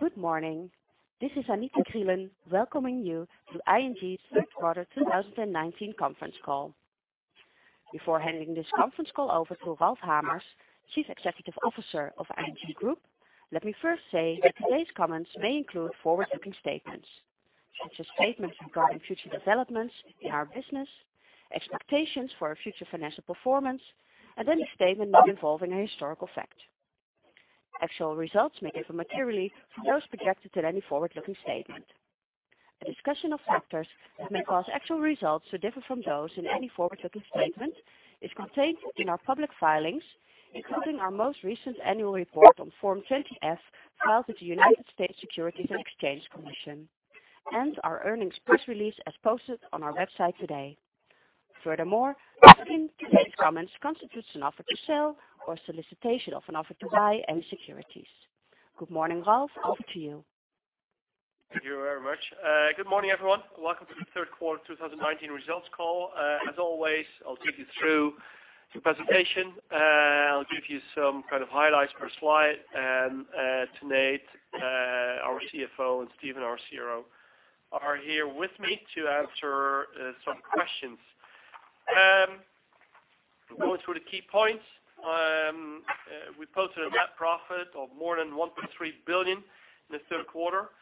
Good morning. This is Anita [Krielen] welcoming you to ING's third quarter 2019 conference call. Before handing this conference call over to Ralph Hamers, Chief Executive Officer of ING Groep, let me first say that today's comments may include forward-looking statements. Such as statements regarding future developments in our business, expectations for our future financial performance, and any statement not involving a historical fact. Actual results may differ materially from those projected in any forward-looking statement. A discussion of factors that may cause actual results to differ from those in any forward-looking statement is contained in our public filings, including our most recent annual report on Form 20-F filed with the United States Securities and Exchange Commission, and our earnings press release as posted on our website today. Furthermore, nothing in today's comments constitutes an offer to sell or solicitation of an offer to buy any securities. Good morning, Ralph. Over to you. Thank you very much. Good morning, everyone. Welcome to the third quarter 2019 results call. As always, I'll take you through the presentation. I'll give you some kind of highlights per slide. Tanate, our CFO, and Steven, our CRO, are here with me to answer some questions. Going through the key points. We posted a net profit of more than 1.3 billion in the third quarter,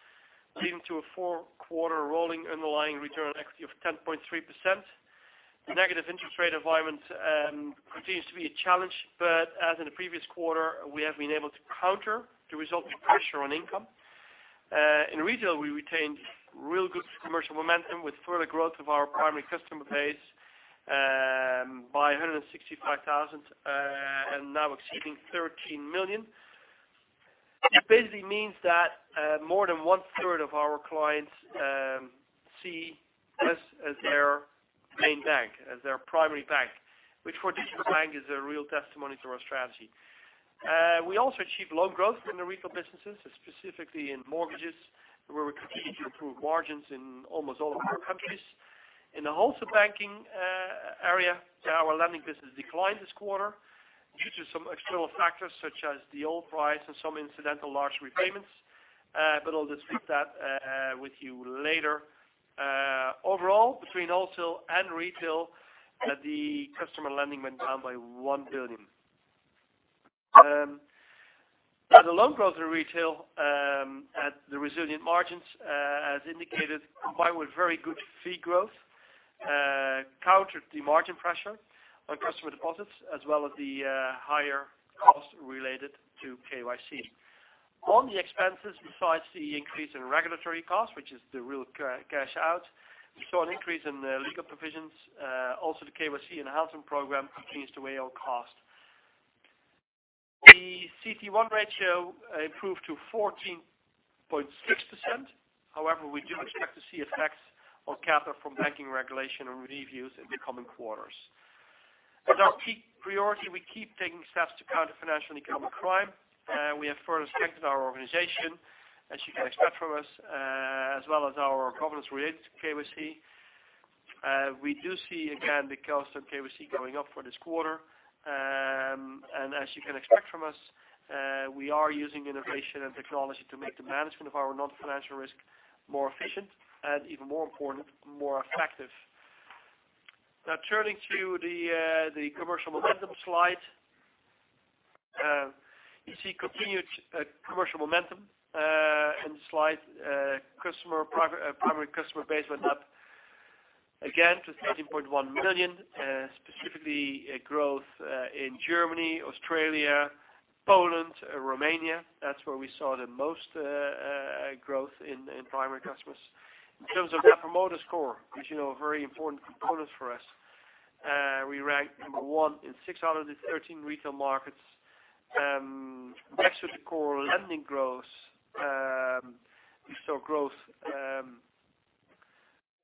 leading to a four-quarter rolling underlying return on equity of 10.3%. The negative interest rate environment continues to be a challenge, but as in the previous quarter, we have been able to counter the resulting pressure on income. In Retail, we retained real good commercial momentum with further growth of our primary customer base by 165,000 and now exceeding 13 million. It basically means that more than one-third of our clients see us as their main bank, as their primary bank, which for a digital bank is a real testimony to our strategy. We also achieved loan growth in the Retail businesses, specifically in mortgages, where we continued to improve margins in almost all of our countries. In the Wholesale Banking area, our lending business declined this quarter due to some external factors such as the oil price and some incidental large repayments. I'll discuss that with you later. Overall, between Wholesale and Retail, the customer lending went down by 1 billion. The loan growth in Retail at the resilient margins, as indicated, combined with very good fee growth, countered the margin pressure on customer deposits, as well as the higher costs related to KYC. On the expenses, besides the increase in regulatory costs, which is the real cash out, we saw an increase in the legal provisions. Also, the KYC enhancement program continues to weigh on cost. The CET1 ratio improved to 14.6%. We do expect to see effects on capital from banking regulation and reviews in the coming quarters. As our key priority, we keep taking steps to counter financial and economic crime. We have further strengthened our organization, as you can expect from us, as well as our governance related to KYC. We do see again the cost of KYC going up for this quarter. As you can expect from us, we are using innovation and technology to make the management of our non-financial risk more efficient and even more important, more effective. Turning to the commercial momentum slide. You see continued commercial momentum in the slide. Primary customer base went up again to 13.1 million, specifically growth in Germany, Australia, Poland, Romania. That's where we saw the most growth in primary customers. In terms of Net Promoter Score, which you know is a very important component for us, we ranked number one in 6 out of the 13 retail markets. Back to the core lending growth. We saw growth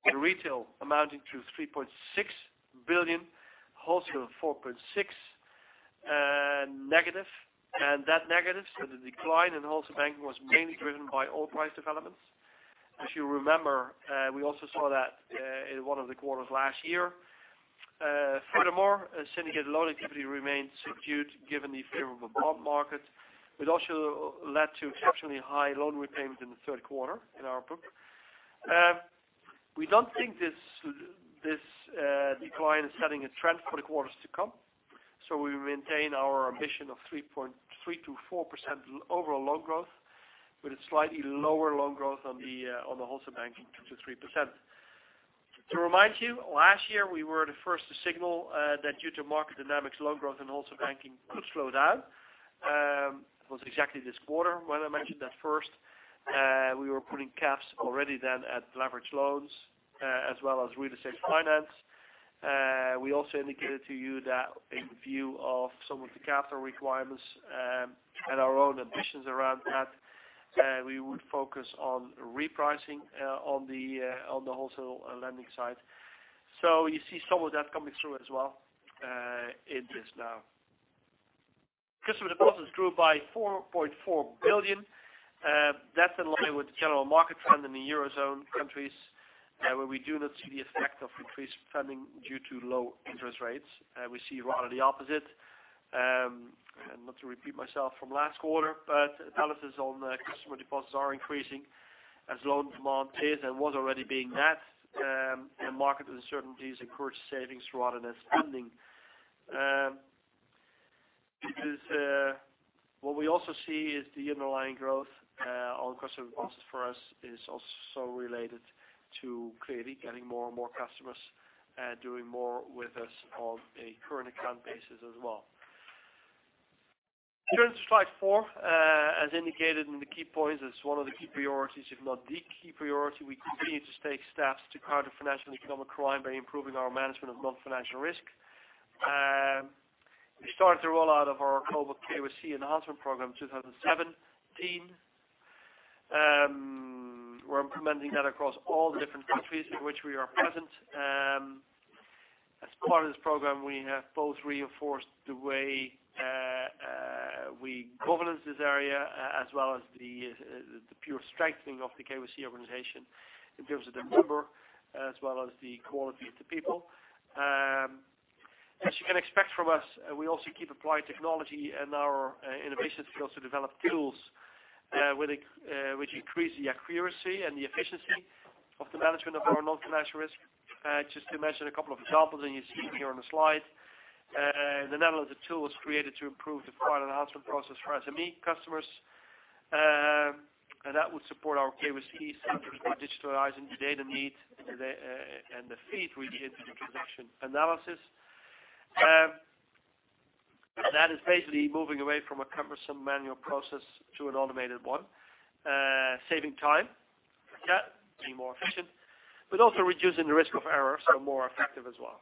in Retail amounting to 3.6 billion, Wholesale 4.6 billion negative. That negative, so the decline in Wholesale Banking was mainly driven by oil price developments. If you remember, we also saw that in one of the quarters last year. Furthermore, syndicated loan activity remained subdued given the favorable bond market, which also led to exceptionally high loan repayments in the third quarter in our book. We don't think this decline is setting a trend for the quarters to come. We maintain our ambition of 3%-4% overall loan growth with a slightly lower loan growth on the Wholesale Banking to 3%. To remind you, last year we were the first to signal that due to market dynamics, loan growth in Wholesale Banking could slow down. It was exactly this quarter when I mentioned that first. We were putting caps already then at leveraged loans, as well as real estate finance. We also indicated to you that in view of some of the capital requirements, and our own ambitions around that, we would focus on repricing on the wholesale lending side. You see some of that coming through as well in this now. Customer deposits grew by 4.4 billion. That's in line with the general market trend in the eurozone countries, where we do not see the effect of increased spending due to low interest rates. We see rather the opposite. Not to repeat myself from last quarter, but balances on customer deposits are increasing as loan demand is and was already being met. Market uncertainties encourage savings rather than spending. What we also see is the underlying growth on customer deposits for us is also related to clearly getting more and more customers doing more with us on a current-account basis as well. Turning to slide four, as indicated in the key points, it's one of the key priorities, if not the key priority. We continue to take steps to counter financial and economic crime by improving our management of non-financial risk. We started the rollout of our global KYC enhancement program 2017. We're implementing that across all the different countries in which we are present. As part of this program, we have both reinforced the way we governance this area, as well as the pure strengthening of the KYC organization in terms of the number as well as the quality of the people. As you can expect from us, we also keep applying technology and our innovation skills to develop tools which increase the accuracy and the efficiency of the management of our non-financial risk. Just to mention a couple of examples, and you see it here on the slide. In the Netherlands, a tool was created to improve the client enhancement process for SME customers, and that would support our KYC centers by digitalizing the data need and the feed we give the transaction analysis. That is basically moving away from a cumbersome manual process to an automated one, saving time, like that, being more efficient, but also reducing the risk of error, so more effective as well.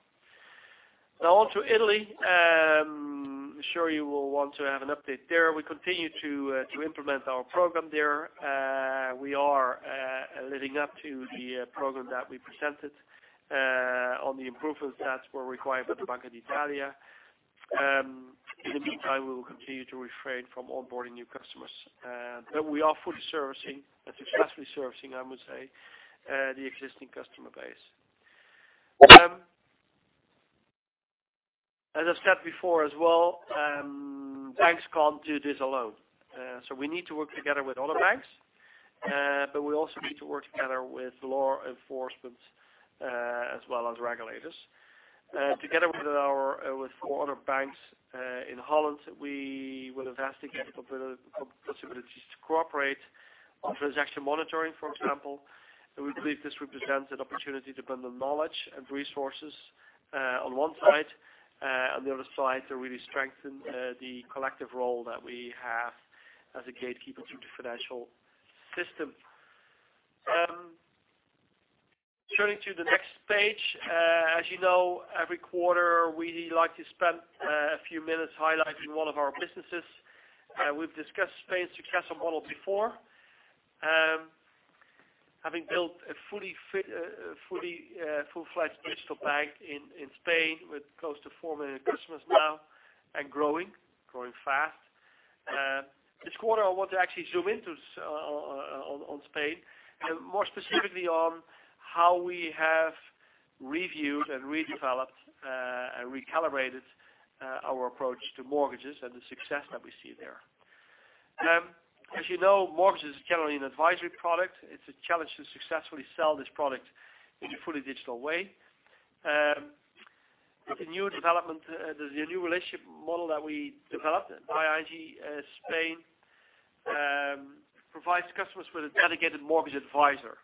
On to Italy. I'm sure you will want to have an update there. We continue to implement our program there. We are living up to the program that we presented on the improvements that were required by the Banca d'Italia. In the meantime, we will continue to refrain from onboarding new customers. We are fully servicing, and successfully servicing, I would say, the existing customer base. As I said before as well, banks can't do this alone. We need to work together with other banks, but we also need to work together with law enforcement, as well as regulators. Together with four other banks in Holland, we will investigate the possibilities to cooperate on transaction monitoring, for example. We believe this represents an opportunity to bundle knowledge and resources on one side. On the other side, to really strengthen the collective role that we have as a gatekeeper to the financial system. Turning to the next page. As you know, every quarter we like to spend a few minutes highlighting one of our businesses. We've discussed Spain's success model before. Having built a full-fledged digital bank in Spain with close to 4 million customers now and growing fast. This quarter, I want to actually zoom in on Spain, and more specifically on how we have reviewed and redeveloped and recalibrated our approach to mortgages and the success that we see there. As you know, mortgage is generally an advisory product. It's a challenge to successfully sell this product in a fully digital way. The new relationship model that we developed by ING Spain provides customers with a dedicated mortgage advisor.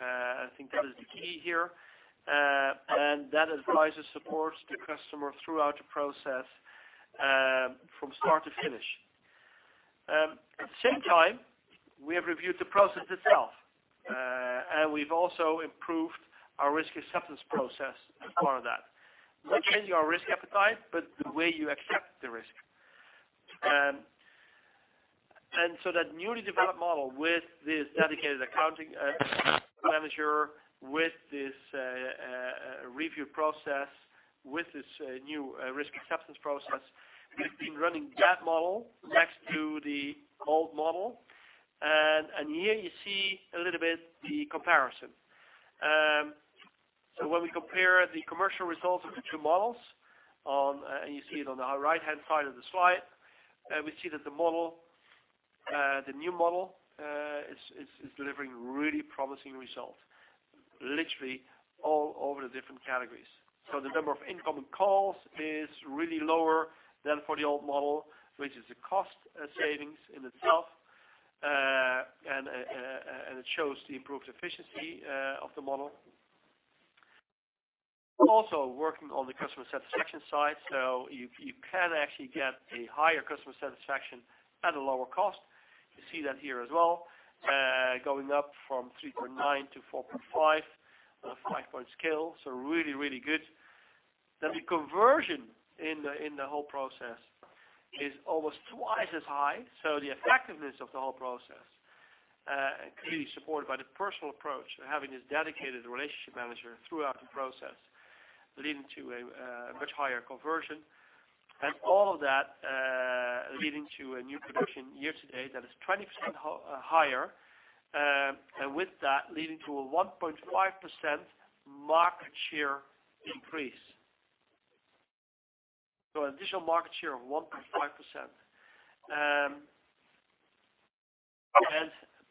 I think that is the key here, and that advisor supports the customer throughout the process from start to finish. At the same time, we have reviewed the process itself, and we've also improved our risk acceptance process as part of that. Not changing our risk appetite, but the way you accept the risk. That newly developed model with this dedicated mortgage advisor, with this review process, with this new risk acceptance process, we've been running that model next to the old model. Here you see a little bit the comparison. When we compare the commercial results of the two models, and you see it on the right-hand side of the slide, we see that the new model is delivering really promising results, literally all over the different categories. The number of incoming calls is really lower than for the old model, which is a cost savings in itself, and it shows the improved efficiency of the model. Also working on the customer satisfaction side. You can actually get a higher customer satisfaction at a lower cost. You see that here as well, going up from 3.9-4.5 on a 5-point scale. Really, really good. The conversion in the whole process is almost twice as high, the effectiveness of the whole process and clearly supported by the personal approach of having this dedicated relationship manager throughout the process, leading to a much higher conversion. All of that leading to a new production year-to-date that is 20% higher. With that, leading to a 1.5% market share increase. An additional market share of 1.5%.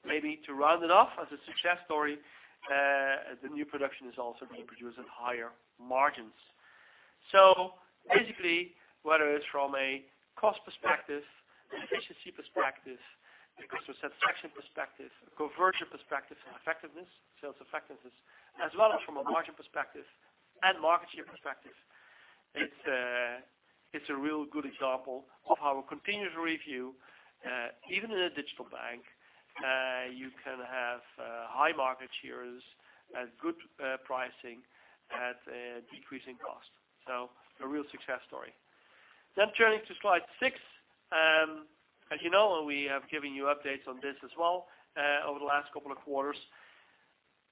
Maybe to round it off as a success story, the new production is also being produced at higher margins. Basically, whether it's from a cost perspective, an efficiency perspective, a customer satisfaction perspective, a conversion perspective, and effectiveness, sales effectiveness, as well as from a margin perspective and market share perspective, it's a real good example of how a continuous review even in a digital bank, you can have high market shares and good pricing at decreasing cost. A real success story. Turning to slide six. As you know, we have given you updates on this as well, over the last couple of quarters.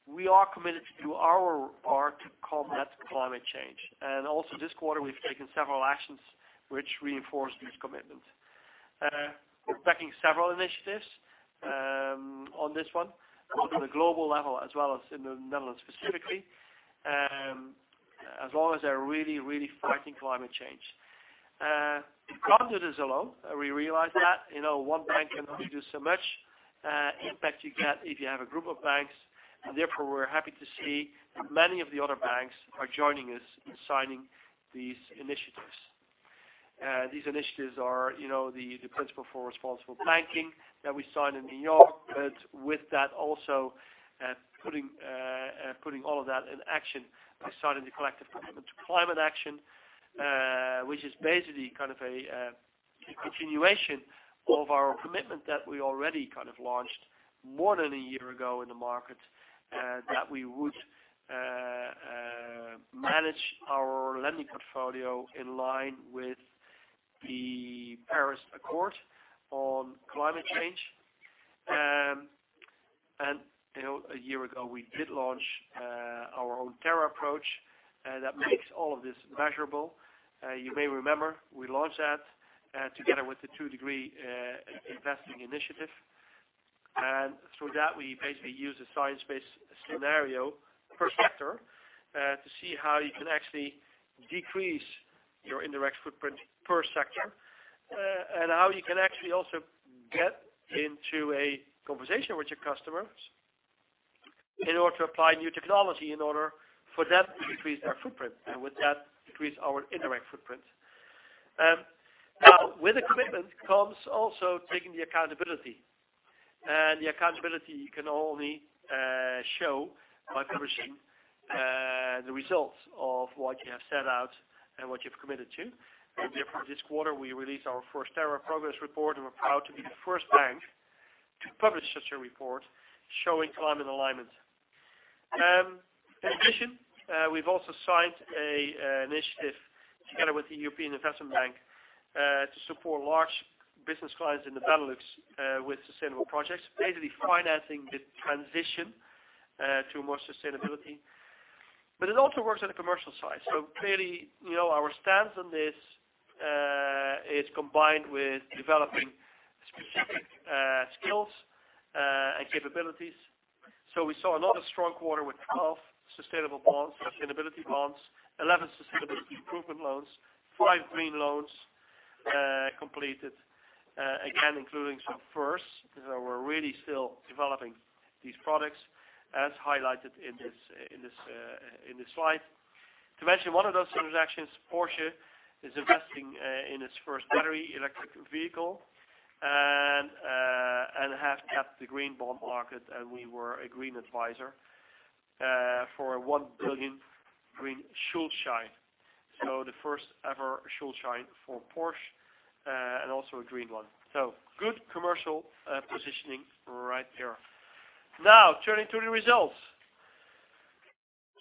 We are committed to do our part to combat climate change. Also this quarter, we've taken several actions which reinforce this commitment. We're backing several initiatives on this one, both at a global level as well as in the Netherlands specifically, as long as they're really fighting climate change. We can't do this alone. We realize that. One bank can only do so much impact you get if you have a group of banks. Therefore, we're happy to see that many of the other banks are joining us in signing these initiatives. These initiatives are the Principles for Responsible Banking that we signed in New York, with that also putting all of that in action by starting the Collective Commitment to Climate Action, which is basically a continuation of our commitment that we already launched more than a year ago in the market, that we would manage our lending portfolio in line with the Paris Accord on climate change. A year ago, we did launch our own Terra approach, that makes all of this measurable. You may remember we launched that together with the 2° Investing Initiative. Through that, we basically use a science-based scenario per sector to see how you can actually decrease your indirect footprint per sector. How you can actually also get into a conversation with your customers in order to apply new technology in order for them to decrease their footprint, and with that, decrease our indirect footprint. With the commitment comes also taking the accountability. The accountability you can only show by publishing the results of what you have set out and what you've committed to. Therefore, this quarter, we released our first Terra progress report, and we're proud to be the first bank to publish such a report showing climate alignment. In addition, we've also signed an initiative together with the European Investment Bank, to support large business clients in the Benelux with sustainable projects, basically financing the transition to more sustainability. It also works on the commercial side. Clearly, our stance on this is combined with developing specific skills and capabilities. We saw another strong quarter with 12 sustainable bonds, sustainability bonds, 11 sustainability improvement loans, five green loans completed. Again, including some firsts because we're really still developing these products as highlighted in this slide. To mention one of those transactions, Porsche is investing in its first battery electric vehicle and have tapped the green bond market, and we were a green adviser for a EUR 1 billion green Schuldschein. The first-ever Schuldschein for Porsche, and also a green one. Good commercial positioning right there. Turning to the results.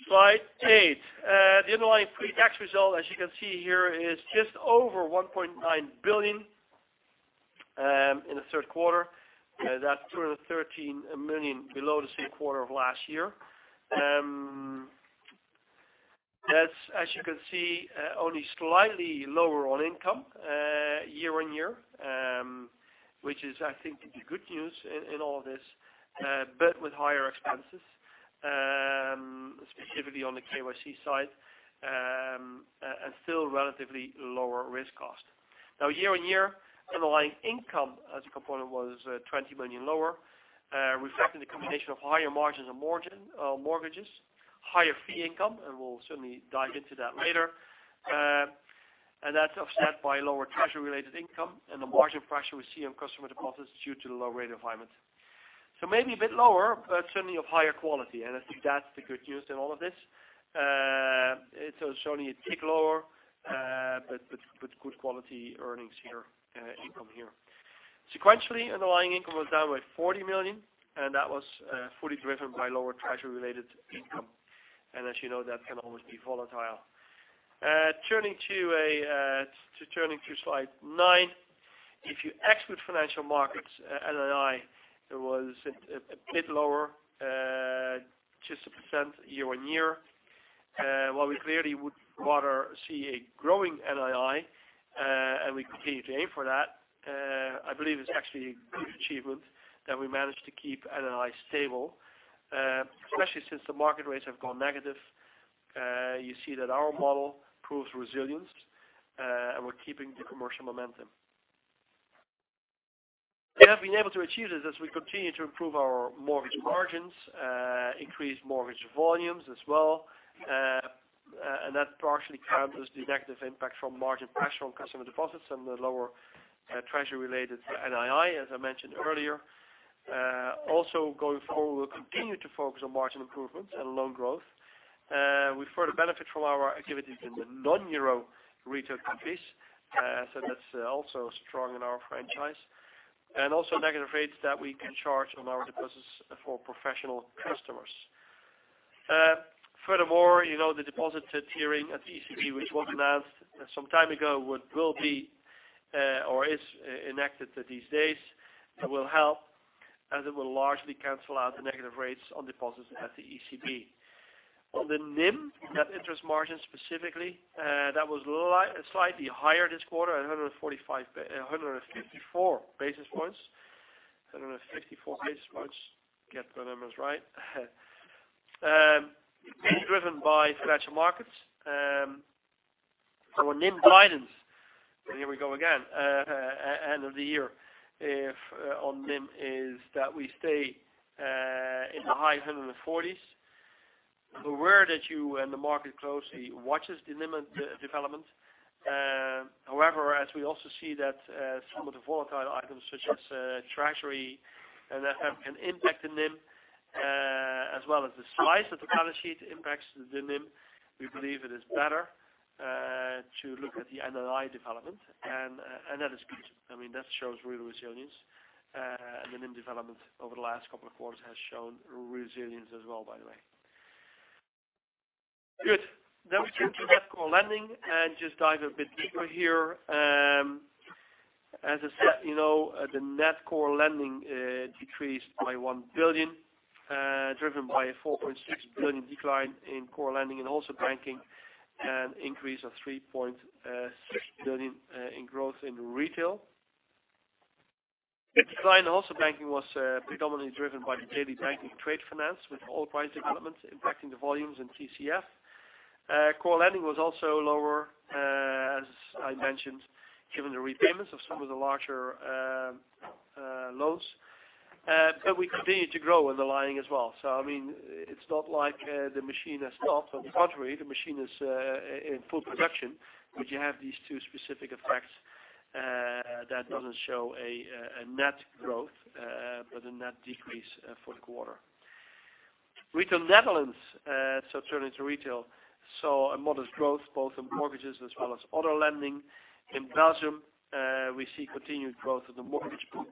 Slide eight. The underlying pre-tax result, as you can see here, is just over 1.9 billion in the third quarter. That's 213 million below the same quarter of last year. That's, as you can see, only slightly lower on income year-on-year, which is, I think, good news in all of this, but with higher expenses, specifically on the KYC side, and still relatively lower risk cost. Year-on-year underlying income as a component was 20 million lower, reflecting the combination of higher margins on mortgages, higher fee income, and we'll certainly dive into that later. That's offset by lower Treasury-related income and the margin pressure we see on customer deposits due to the low-rate environment. Maybe a bit lower, but certainly of higher quality, and I think that's the good news in all of this. It shows only a tick lower but with good quality earnings here, income here. Sequentially, underlying income was down by 40 million, and that was fully driven by lower Treasury-related income. As you know, that can always be volatile. Turning to slide nine. If you exclude Financial Markets, NII was a bit lower, just 1% year-on-year. While we clearly would rather see a growing NII, and we continue to aim for that, I believe it's actually a good achievement that we managed to keep NII stable, especially since the market rates have gone negative. You see that our model proves resilience, and we're keeping the commercial momentum. We have been able to achieve this as we continue to improve our mortgage margins, increase mortgage volumes as well, and that partially counters the negative impact from margin pressure on customer deposits and the lower Treasury-related NII, as I mentioned earlier. Going forward, we'll continue to focus on margin improvements and loan growth. We further benefit from our activities in the non-euro retail countries, so that's also strong in our franchise. Also negative rates that we can charge on our deposits for professional customers. Furthermore, the deposit tiering at the ECB, which was announced some time ago, is enacted these days. It will help, and it will largely cancel out the negative rates on deposits at the ECB. NIM, net interest margin specifically, that was slightly higher this quarter at 154 basis points. Get the numbers right. It's being driven by Financial Markets. Our NIM guidance, here we go again, end of the year on NIM is that we stay in the high 140s. We're aware that you and the market closely watches the NIM development. However, as we also see that some of the volatile items, such as Treasury, have an impact on NIM as well as the slice of the balance sheet impacts the NIM. We believe it is better to look at the NII development. That is good. That shows real resilience. The NIM development over the last couple of quarters has shown resilience as well, by the way. Good. We turn to net core lending and just dive a bit deeper here. As I said, the net core lending decreased by 1 billion, driven by a 4.6 billion decline in core lending and Wholesale Banking, an increase of 3.6 billion in growth in Retail. The decline in Wholesale Banking was predominantly driven by Daily Banking & Trade Finance, with oil price developments impacting the volumes in TCF. Core lending was also lower, as I mentioned, given the repayments of some of the larger loans. We continued to grow underlying as well. It's not like the machine has stopped. On the contrary, the machine is in full production, but you have these two specific effects that doesn't show a net growth but a net decrease for the quarter. Retail Netherlands, so turning to retail, saw a modest growth both in mortgages as well as other lending. In Belgium, we see continued growth in the mortgage book.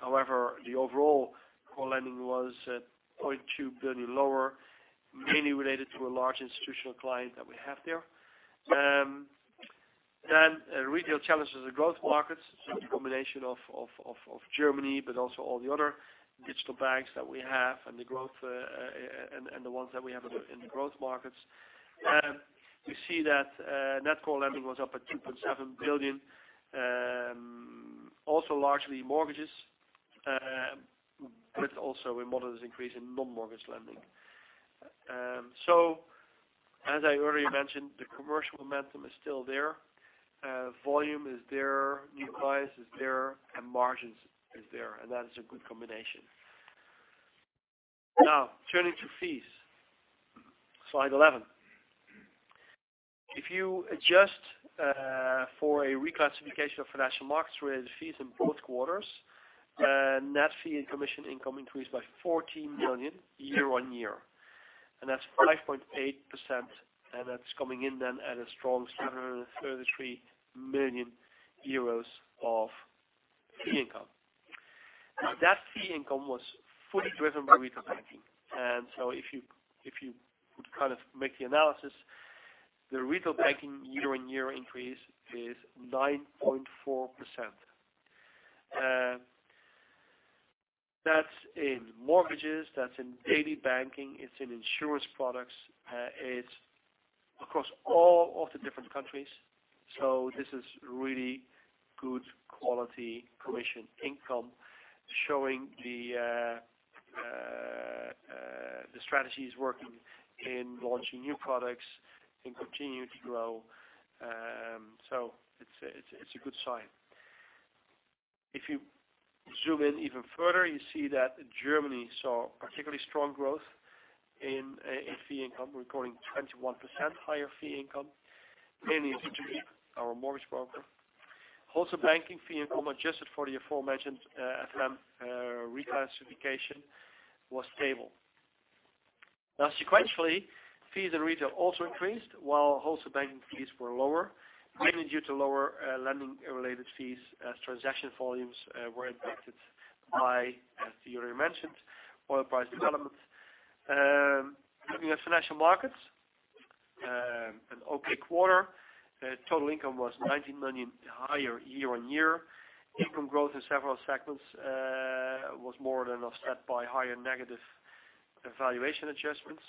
However, the overall core lending was 0.2 billion lower, mainly related to a large institutional client that we have there. Retail Challengers & Growth Markets. The combination of Germany, but also all the other digital banks that we have and the ones that we have in the growth markets. We see that net core lending was up at 2.7 billion. Also largely mortgages, but also a modest increase in non-mortgage lending. As I already mentioned, the commercial momentum is still there. Volume is there, new clients is there, margins is there, that is a good combination. Turning to fees. Slide 11. If you adjust for a reclassification of Financial Markets-related fees in both quarters, net fee and commission income increased by 40 million year-on-year, that's 5.8%, that's coming in then at a strong 733 million euros of fee income. That fee income was fully driven by Retail Banking. If you would make the analysis, the Retail Banking year-on-year increase is 9.4%. That's in mortgages, that's in daily banking, it's in insurance products, it's across all of the different countries. This is really good quality commission income showing the strategy is working in launching new products and continuing to grow. It's a good sign. If you zoom in even further, you see that Germany saw particularly strong growth in fee income, recording 21% higher fee income, mainly due to our mortgage program. Wholesale Banking fee income, adjusted for the aforementioned FM reclassification, was stable. Sequentially, fees in Retail also increased, while Wholesale Banking fees were lower, mainly due to lower lending-related fees as transaction volumes were impacted by, as earlier mentioned, oil price developments. Looking at Financial Markets, an okay quarter. Total income was 19 million higher year-on-year. Income growth in several segments was more than offset by higher negative valuation adjustments.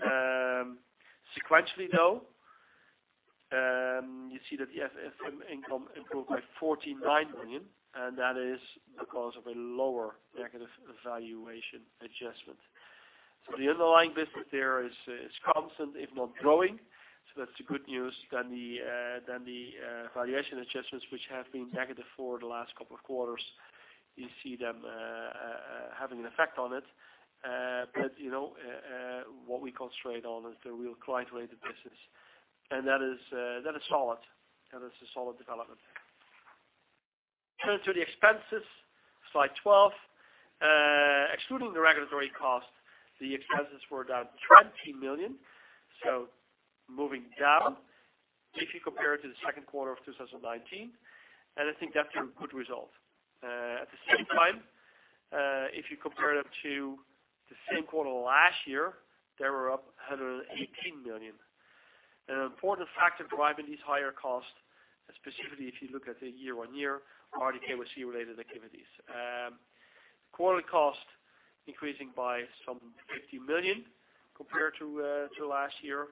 Sequentially, though, you see that the FM income improved by 149 million, and that is because of a lower negative valuation adjustment. The underlying business there is constant, if not growing. That's the good news than the valuation adjustments, which have been negative for the last couple of quarters. You see them having an effect on it. What we concentrate on is the real client-related business. That is solid, and that's a solid development. Turn to the expenses, slide 12. Excluding the regulatory cost, the expenses were down 20 million. Moving down, if you compare it to the second quarter of 2019, and I think that's a good result. At the same time, if you compare it up to the same quarter last year, they were up 118 million. An important factor driving these higher costs, specifically if you look at the year-on-year, are the KYC-related activities. Quarterly cost increasing by some 50 million compared to last year.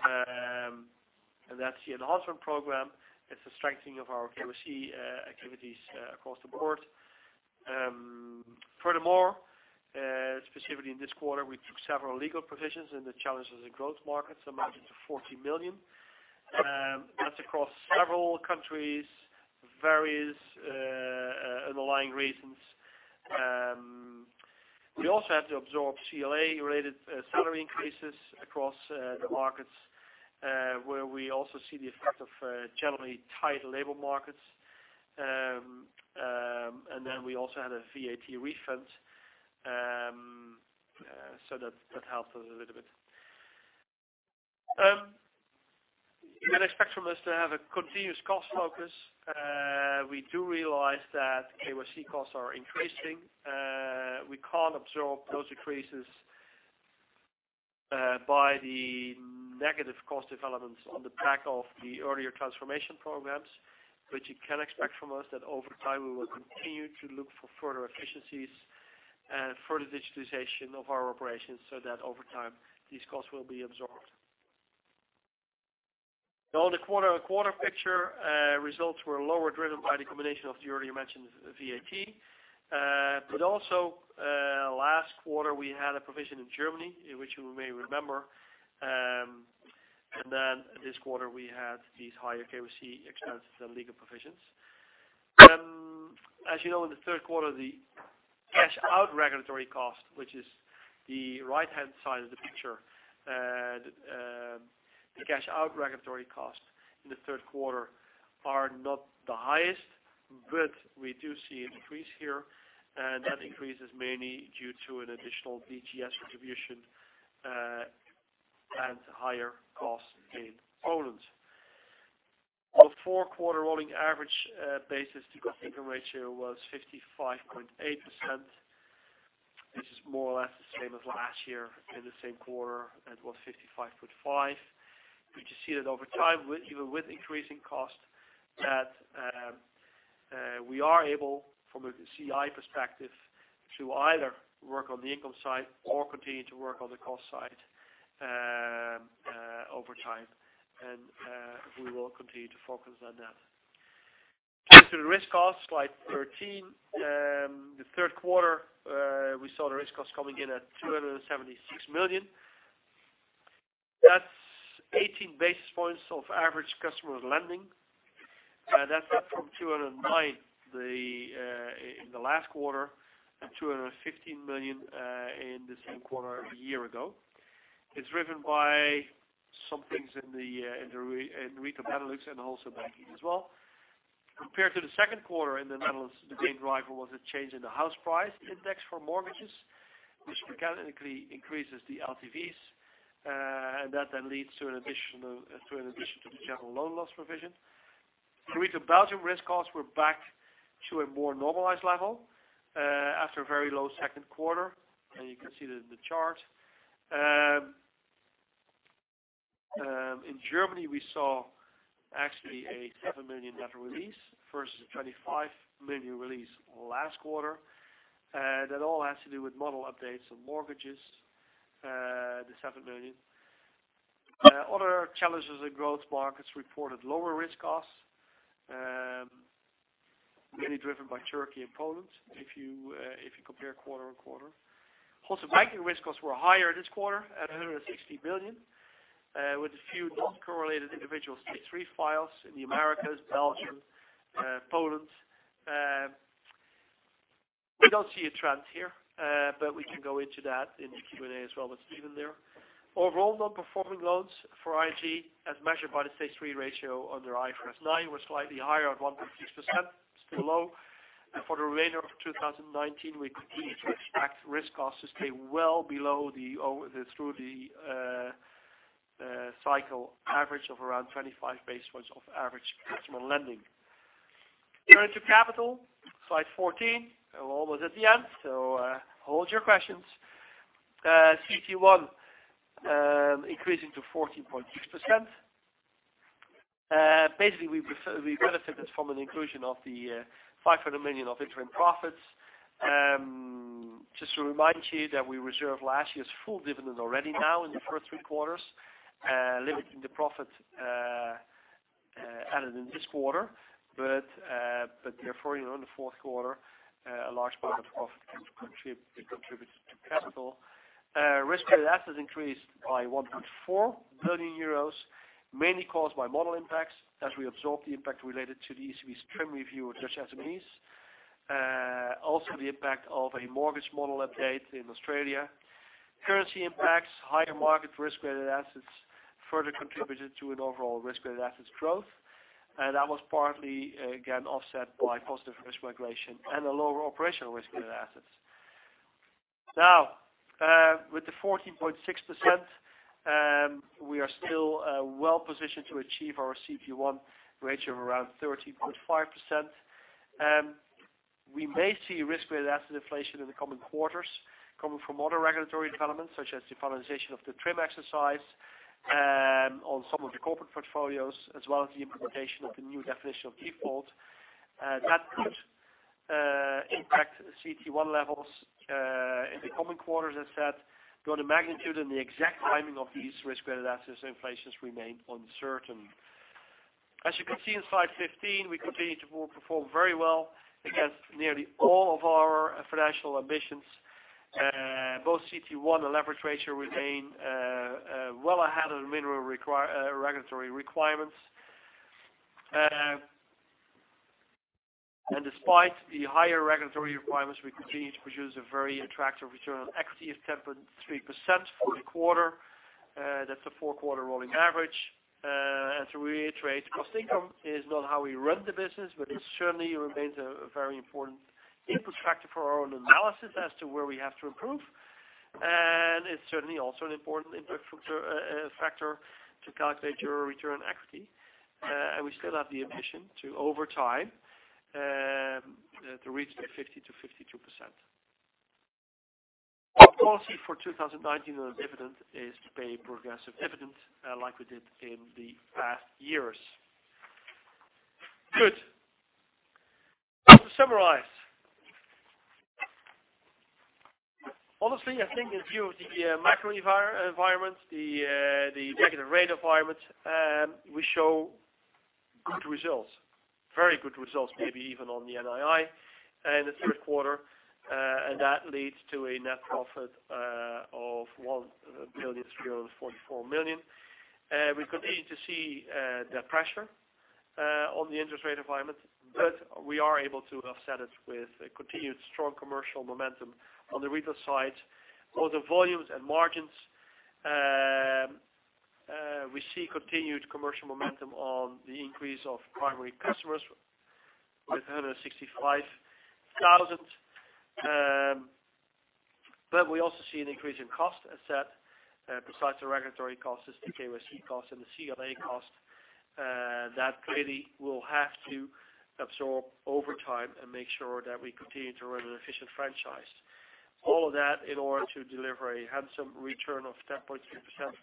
That's the enhancement program. It's a strengthening of our KYC activities across the board. Furthermore, specifically in this quarter, we took several legal provisions in the Challengers & Growth Markets amounting to 40 million. That's across several countries, various underlying reasons. We also had to absorb CLA-related salary increases across the markets, where we also see the effect of generally tight labor markets. We also had a VAT refund, so that helped us a little bit. You can expect from us to have a continuous cost focus. We do realize that KYC costs are increasing. We can't absorb those increases by the negative cost developments on the back of the earlier transformation programs, you can expect from us that over time, we will continue to look for further efficiencies and further digitalization of our operations so that over time, these costs will be absorbed. On the quarter-on-quarter picture, results were lower, driven by the combination of the already mentioned VAT. Also, last quarter, we had a provision in Germany, which you may remember, and this quarter, we had these higher KYC expenses and legal provisions. In the third quarter, the cash-out regulatory cost, which is the right-hand side of the picture. The cash-out regulatory costs in the third quarter are not the highest. We do see an increase here, and that increase is mainly due to an additional DGS contribution and higher costs in Poland. On a four-quarter rolling average basis, the cost-income ratio was 55.8%, which is more or less the same as last year in the same quarter. It was 55.5%. You see that over time, even with increasing costs, that we are able, from a C/I perspective, to either work on the income side or continue to work on the cost side over time. We will continue to focus on that. Turning to the risk cost, slide 13. The third quarter, we saw the risk cost coming in at 276 million. That's 18 basis points of average customer lending. That's up from 209 million in the last quarter and 215 million in the same quarter a year ago. It's driven by some things in Retail and Wholesale Banking as well. Compared to the second quarter in the Netherlands, the main driver was a change in the house price index for mortgages, which mechanically increases the LTVs, and that then leads to an addition to the general loan loss provision. Retail Belgium risk costs were back to a more normalized level after a very low second quarter. You can see that in the chart. In Germany, we saw actually a 7 million net release versus a 25 million release last quarter. That all has to do with model updates on mortgages, the 7 million. Other Challengers & Growth Markets reported lower risk costs, mainly driven by Turkey and Poland, if you compare quarter-on-quarter. Wholesale Banking risk costs were higher this quarter at 160 million, with a few non-correlated individual Stage 3 files in the Americas, Belgium, Poland. We don't see a trend here. We can go into that in the Q&A as well with Steven there. Overall non-performing loans for ING, as measured by the Stage 3 ratio under IFRS 9, were slightly higher at 1.6%. Still low. For the remainder of 2019, we continue to expect risk costs to stay well below through the cycle average of around 25 basis points of average customer lending. Turn to capital, slide 14. We're almost at the end. Hold your questions. CET1 increasing to 14.6%. Basically, we benefit from an inclusion of the 500 million of interim profits. Just to remind you that we reserved last year's full dividend already now in the first three quarters, limiting the profit added in this quarter, but therefore in the fourth quarter, a large part of profit contributes to capital. Risk-weighted assets increased by 1.4 billion euros, mainly caused by model impacts as we absorb the impact related to the ECB's TRIM review of Dutch SMEs. Also, the impact of a mortgage model update in Australia. Currency impacts, higher market risk-weighted assets further contributed to an overall risk-weighted assets growth. That was partly, again, offset by positive risk migration and a lower operational risk-weighted assets. Now, with the 14.6%, we are still well-positioned to achieve our CET1 ratio of around 13.5%. We may see risk-weighted asset inflation in the coming quarters, coming from other regulatory developments such as the finalization of the TRIM exercise on some of the corporate portfolios, as well as the implementation of the new definition of default. That could impact CET1 levels in the coming quarters, as said, though the magnitude and the exact timing of these risk-weighted assets inflations remain uncertain. As you can see on slide 15, we continue to perform very well against nearly all of our financial ambitions. Both CET1 and leverage ratio remain well ahead of the minimum regulatory requirements. Despite the higher regulatory requirements, we continue to produce a very attractive return on equity of 10.3% for the quarter. That's the four-quarter rolling average. To reiterate, cost-income is not how we run the business, but it certainly remains a very important input factor for our own analysis as to where we have to improve. It is certainly also an important input factor to calculate your return on equity. We still have the ambition to, over time, to reach the 50%-52%. Our policy for 2019 on a dividend is to pay progressive dividends like we did in the past years. Good. Now to summarize. Honestly, I think in view of the macro environment, the negative rate environment, we show good results. Very good results, maybe even on the NII in the third quarter, and that leads to a net profit of 1,344,000,000. We continue to see the pressure on the interest rate environment, but we are able to offset it with continued strong commercial momentum on the Retail side for the volumes and margins. We see continued commercial momentum on the increase of primary customers with 165,000. We also see an increase in cost, as said, besides the regulatory costs, the KYC cost and the CLA cost, that clearly we'll have to absorb over time and make sure that we continue to run an efficient franchise. All of that in order to deliver a handsome return of 10.3%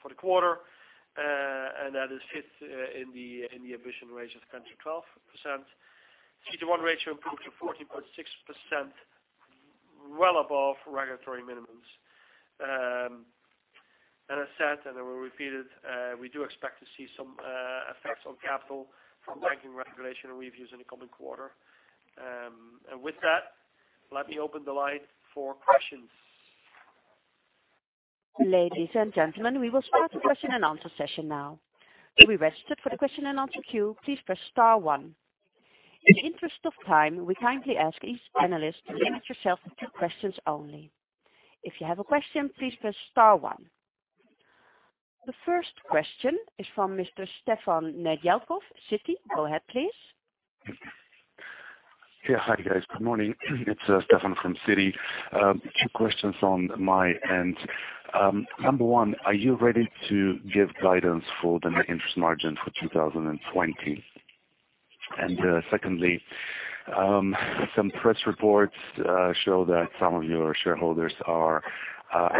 for the quarter, and that is fit in the ambition range of 10%-12%. CET1 ratio improved to 14.6%, well above regulatory minimums. I said, and I will repeat it, we do expect to see some effects on capital from banking regulation reviews in the coming quarter. With that, let me open the line for questions. Ladies and gentlemen, we will start the question-and-answer session now. To be registered for the question and answer queue, please press star one. In the interest of time, we kindly ask each analyst to limit yourself to two questions only. If you have a question, please press star one. The first question is from Mr. Stefan Nedialkov, Citi. Go ahead, please. Yeah. Hi, guys. Good morning. It's Stefan from Citi. Two questions on my end. Number one, are you ready to give guidance for the net interest margin for 2020? Secondly, some press reports show that some of your shareholders are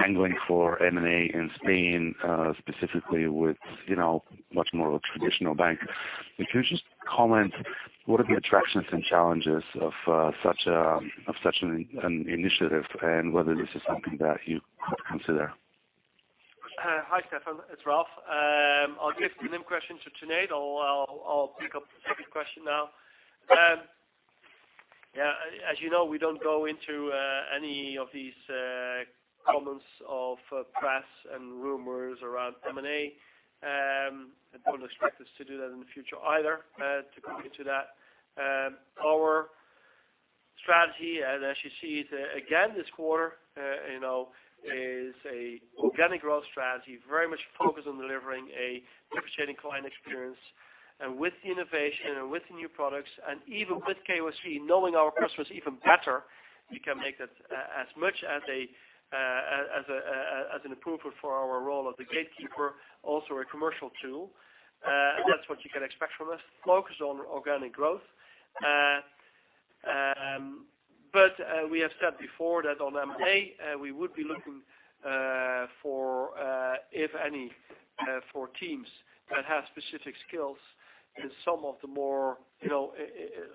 angling for M&A in Spain, specifically with much more of a traditional bank. If you just comment, what are the attractions and challenges of such an initiative and whether this is something that you could consider? Hi, Stefan. It's Ralph. I'll give the NIM question to Tanate. I'll pick up the second question now. As you know, we don't go into any of these comments of press and rumors around M&A, and don't expect us to do that in the future either, to comment to that. Our strategy, and as you see it again this quarter, is a organic growth strategy, very much focused on delivering a differentiating client experience, and with the innovation and with the new products, and even with KYC, knowing our customers even better. We can make that as much as an approval for our role as the gatekeeper, also a commercial tool. That's what you can expect from us, focused on organic growth. We have said before that on M&A, we would be looking, if any, for teams that have specific skills in some of the more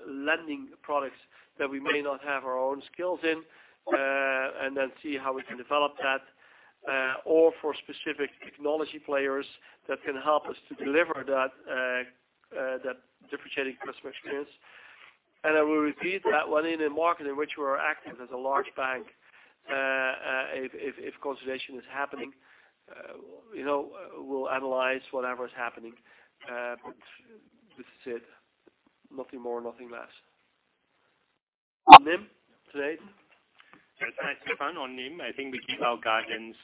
lending products that we may not have our own skills in, and then see how we can develop that, or for specific technology players that can help us to deliver that differentiating customer experience. I will repeat that one in a market in which we are active as a large bank, if consolidation is happening, we'll analyze whatever is happening. This is it. Nothing more, nothing less. On NIM, Tanate? Yes. Hi, Stefan. On NIM, I think we give our guidance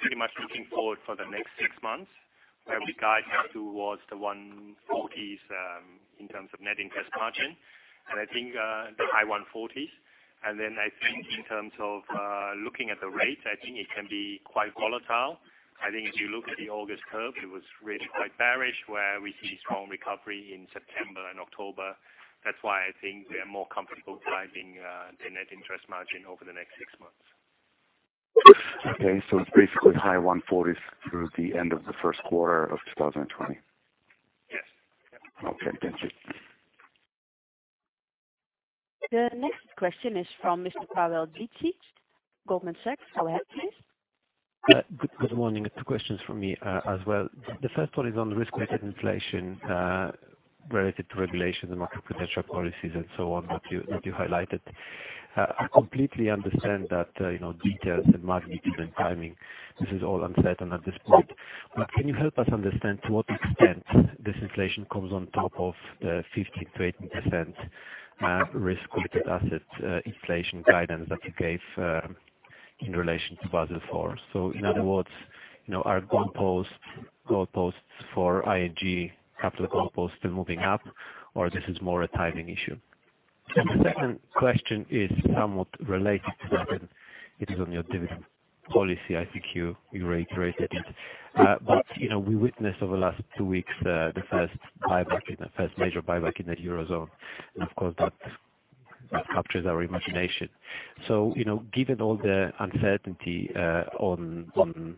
pretty much looking forward for the next six months, where we guide towards the 140s in terms of net interest margin. The high 140s. I think in terms of looking at the rate, I think it can be quite volatile. I think if you look at the August curve, it was really quite bearish, where we see strong recovery in September and October. That's why I think we are more comfortable guiding the net interest margin over the next six months. Okay. It's basically high 140s through the end of the first quarter of 2020. Yes. Okay, thank you. The next question is from Mr. Pawel Dziedzic, Goldman Sachs. Go ahead, please. Good morning. Two questions from me as well. The first one is on risk-weighted inflation related to regulation and macro-prudential policies and so on that you highlighted. I completely understand that details and magnitude and timing, this is all uncertain at this point. Can you help us understand to what extent this inflation comes on top of the 15%-18% risk-weighted assets inflation guidance that you gave in relation to Basel IV? In other words, are goalposts for ING capital goalposts still moving up, or this is more a timing issue? The second question is somewhat related to that, and it is on your dividend policy. I think you reiterated it. We witnessed over the last two weeks the first major buyback in the eurozone. Of course that captures our imagination. Given all the uncertainty on,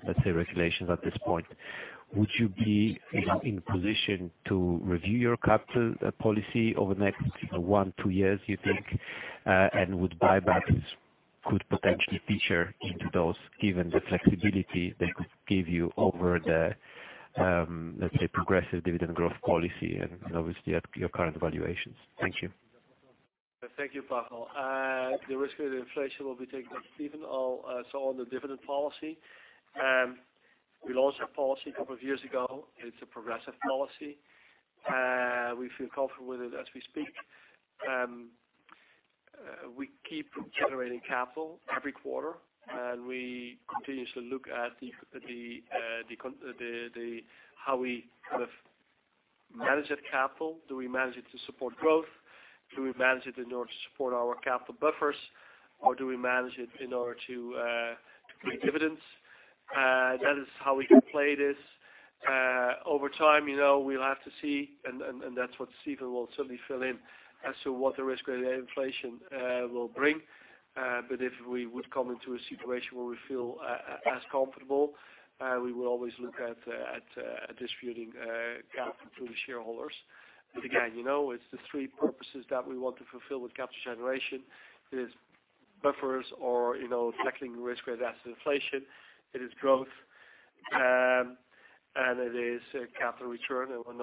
let's say, regulations at this point, would you be in a position to review your capital policy over the next one, two years, you think? Would buybacks could potentially feature into those, given the flexibility they could give you over the, let's say, progressive dividend growth policy and obviously at your current valuations? Thank you. Thank you, Pawel. The risk of inflation will be taken by Steven. On the dividend policy, we launched a policy a couple of years ago. It's a progressive policy. We feel comfortable with it as we speak. We keep generating capital every quarter, and we continuously look at how we manage that capital. Do we manage it to support growth? Do we manage it in order to support our capital buffers, or do we manage it in order to pay dividends? That is how we play this. Over time, we'll have to see, and that's what Steven will certainly fill in as to what the risk-related inflation will bring. If we would come into a situation where we feel as comfortable, we will always look at distributing capital to the shareholders. Again, it's the three purposes that we want to fulfill with capital generation. It is buffers or tackling risk-weighted asset inflation. It is growth, and it is capital return, and we're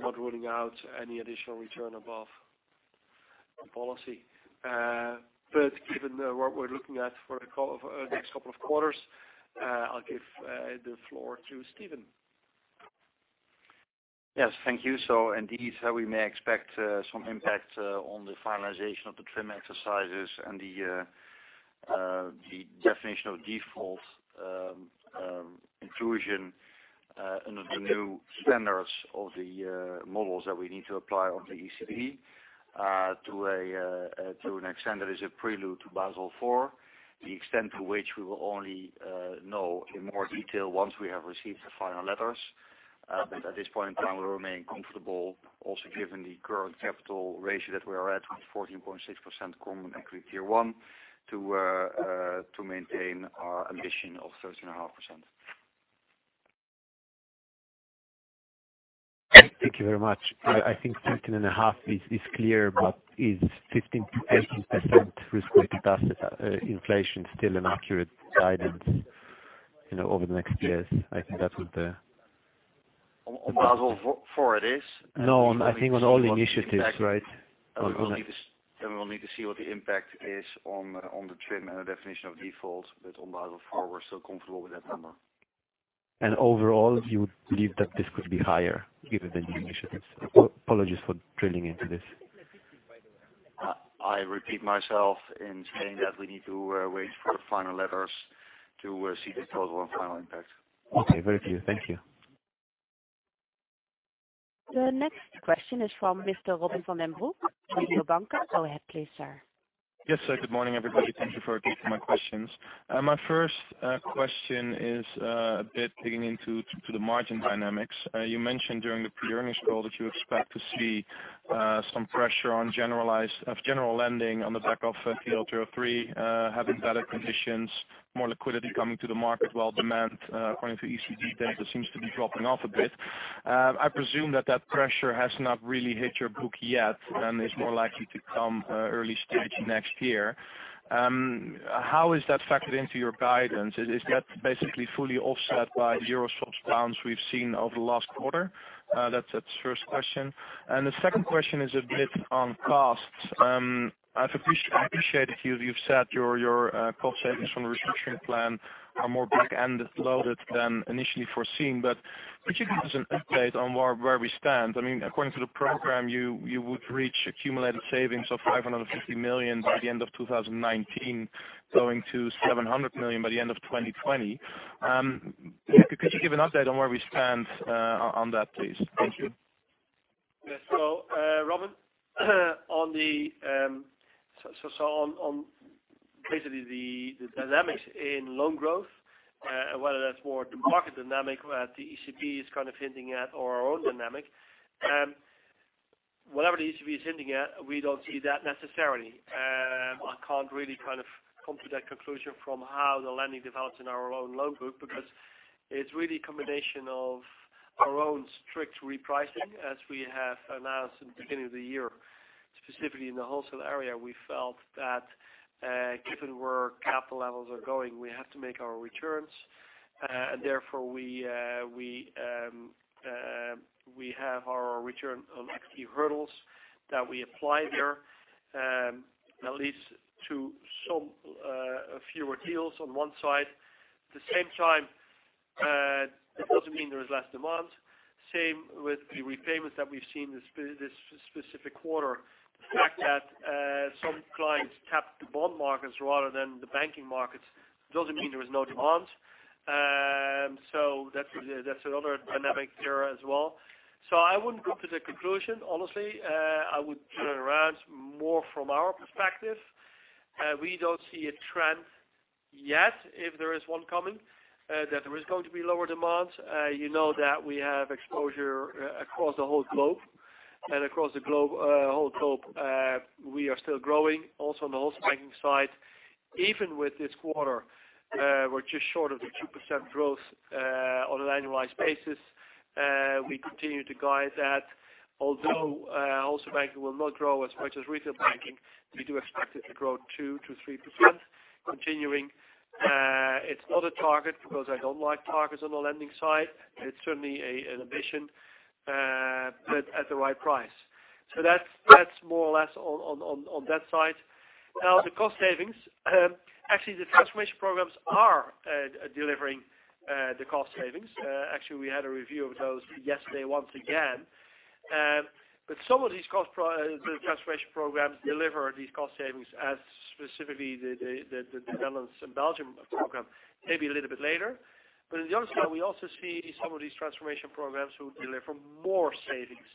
not ruling out any additional return above the policy. Given what we're looking at for the next couple of quarters, I'll give the floor to Steven. Yes. Thank you. Indeed, we may expect some impact on the finalization of the TRIM exercises and the definition of default inclusion under the new standards of the models that we need to apply on the ECB to an extent that is a prelude to Basel IV. The extent to which we will only know in more detail once we have received the final letters. At this point in time, we remain comfortable, also given the current capital ratio that we are at with 14.6% Common Equity Tier 1 to maintain our ambition of 13.5%. Thank you very much. I think 13.5% is clear, but is 15%-18% risk-weighted asset inflation still an accurate guidance over the next years? On Basel IV it is. No, I think on all initiatives, right? We'll need to see what the impact is on the TRIM and the definition of default. On Basel IV, we're still comfortable with that number. Overall, you believe that this could be higher given the new initiatives? Apologies for drilling into this. I repeat myself in saying that we need to wait for the final letters to see the total and final impact. Okay. Very clear. Thank you. The next question is from Mr. Robin van den Broek, Mediobanca. Go ahead please, sir. Yes, sir. Good morning, everybody. Thank you for taking my questions. My first question is a bit digging into the margin dynamics. You mentioned during the pre-earnings call that you expect to see some pressure on general lending on the back of TLTRO III, having better conditions, more liquidity coming to the market, while demand, according to ECB data, seems to be dropping off a bit. I presume that pressure has not really hit your book yet and is more likely to come early stage next year. How is that factored into your guidance? Is that basically fully offset by euro swaps bounce we've seen over the last quarter? That's the first question. The second question is a bit on costs. I appreciate you've said your cost savings from the restructuring plan are more back-end loaded than initially foreseen, but could you give us an update on where we stand? According to the program, you would reach accumulated savings of 550 million by the end of 2019, going to 700 million by the end of 2020. Could you give an update on where we stand on that, please? Thank you. Yes. Robin, on basically the dynamics in loan growth, whether that's more the market dynamic, where the ECB is hinting at, or our own dynamic. Whatever the ECB is hinting at, we don't see that necessarily. I can't really come to that conclusion from how the lending develops in our own loan book, because it's really a combination of our own strict repricing as we have announced in the beginning of the year. Specifically, in the wholesale area, we felt that given where capital levels are going, we have to make our returns. Therefore, we have our return on equity hurdles that we apply there, and that leads to some fewer deals on one side. At the same time, it doesn't mean there is less demand. Same with the repayments that we've seen this specific quarter. The fact that some clients tap the bond markets rather than the banking markets doesn't mean there is no demand. That's another dynamic there as well. I wouldn't jump to the conclusion, honestly. I would turn it around more from our perspective. We don't see a trend yet, if there is one coming, that there is going to be lower demand. You know that we have exposure across the whole globe, and across the whole globe, we are still growing also on the Wholesale Banking side. Even with this quarter, we're just short of the 2% growth on an annualized basis. We continue to guide that. Although Wholesale Banking will not grow as much as Retail Banking, we do expect it to grow 2%-3% continuing. It's not a target because I don't like targets on the lending side. It's certainly an ambition, but at the right price. That's more or less on that side. The cost savings. Actually, the transformation programs are delivering the cost savings. Actually, we had a review of those yesterday once again. Some of these transformation programs deliver these cost savings as specifically the Netherlands and Belgium program, maybe a little bit later. On the other side, we also see some of these transformation programs will deliver more savings.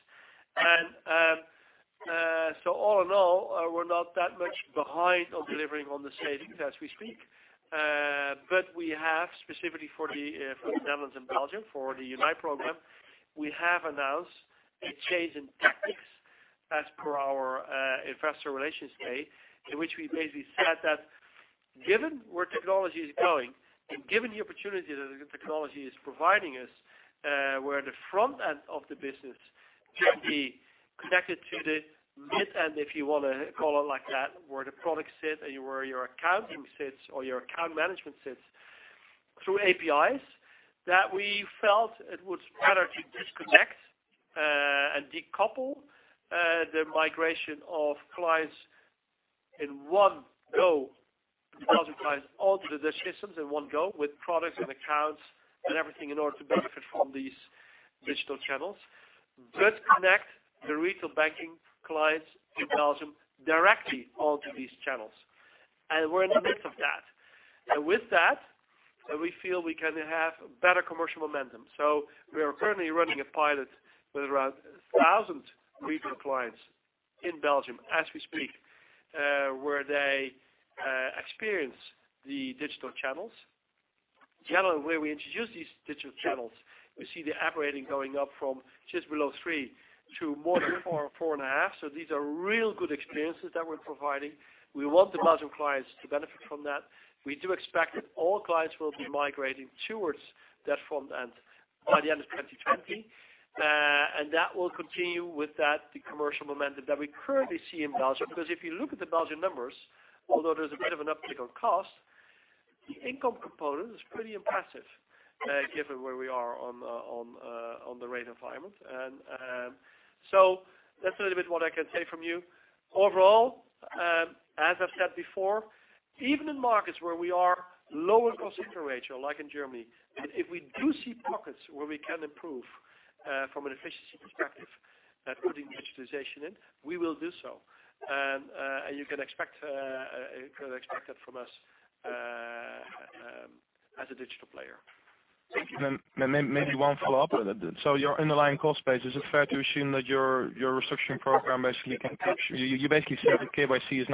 All in all, we're not that much behind on delivering on the savings as we speak. We have specifically for the Netherlands and Belgium, for the Unite program, we have announced a change in tactics as per our Investor Relations Day, in which we basically said that given where technology is going and given the opportunity that the technology is providing us, where the front end of the business can be connected to the mid-end, if you want to call it like that, where the product sits and where your accounting sits or your account management sits through APIs, that we felt it was better to disconnect and decouple the migration of clients in one go. Belgian clients all to the digital systems in one go with products and accounts and everything in order to benefit from these digital channels. Connect the Retail Banking clients in Belgium directly onto these channels. We're in the midst of that. With that, we feel we can have better commercial momentum. We are currently running a pilot with around 1,000 retail clients in Belgium as we speak, where they experience the digital channels. Generally, where we introduce these digital channels, we see the app rating going up from just below 3 to more than 4, 4.5. These are real good experiences that we're providing. We want the Belgian clients to benefit from that. We do expect that all clients will be migrating towards that front end by the end of 2020. That will continue with that commercial momentum that we currently see in Belgium. If you look at the Belgian numbers, although there's a bit of an uptick on cost, the income component is pretty impressive given where we are on the rate environment. That's a little bit what I can say from you. Overall, as I've said before, even in markets where we are lower cost ratio, like in Germany, if we do see pockets where we can improve from an efficiency perspective at putting digitalization in, we will do so. You can expect that from us as a digital player. Maybe one follow-up. Your underlying cost base, is it fair to assume that your restructuring program, you basically said that KYC is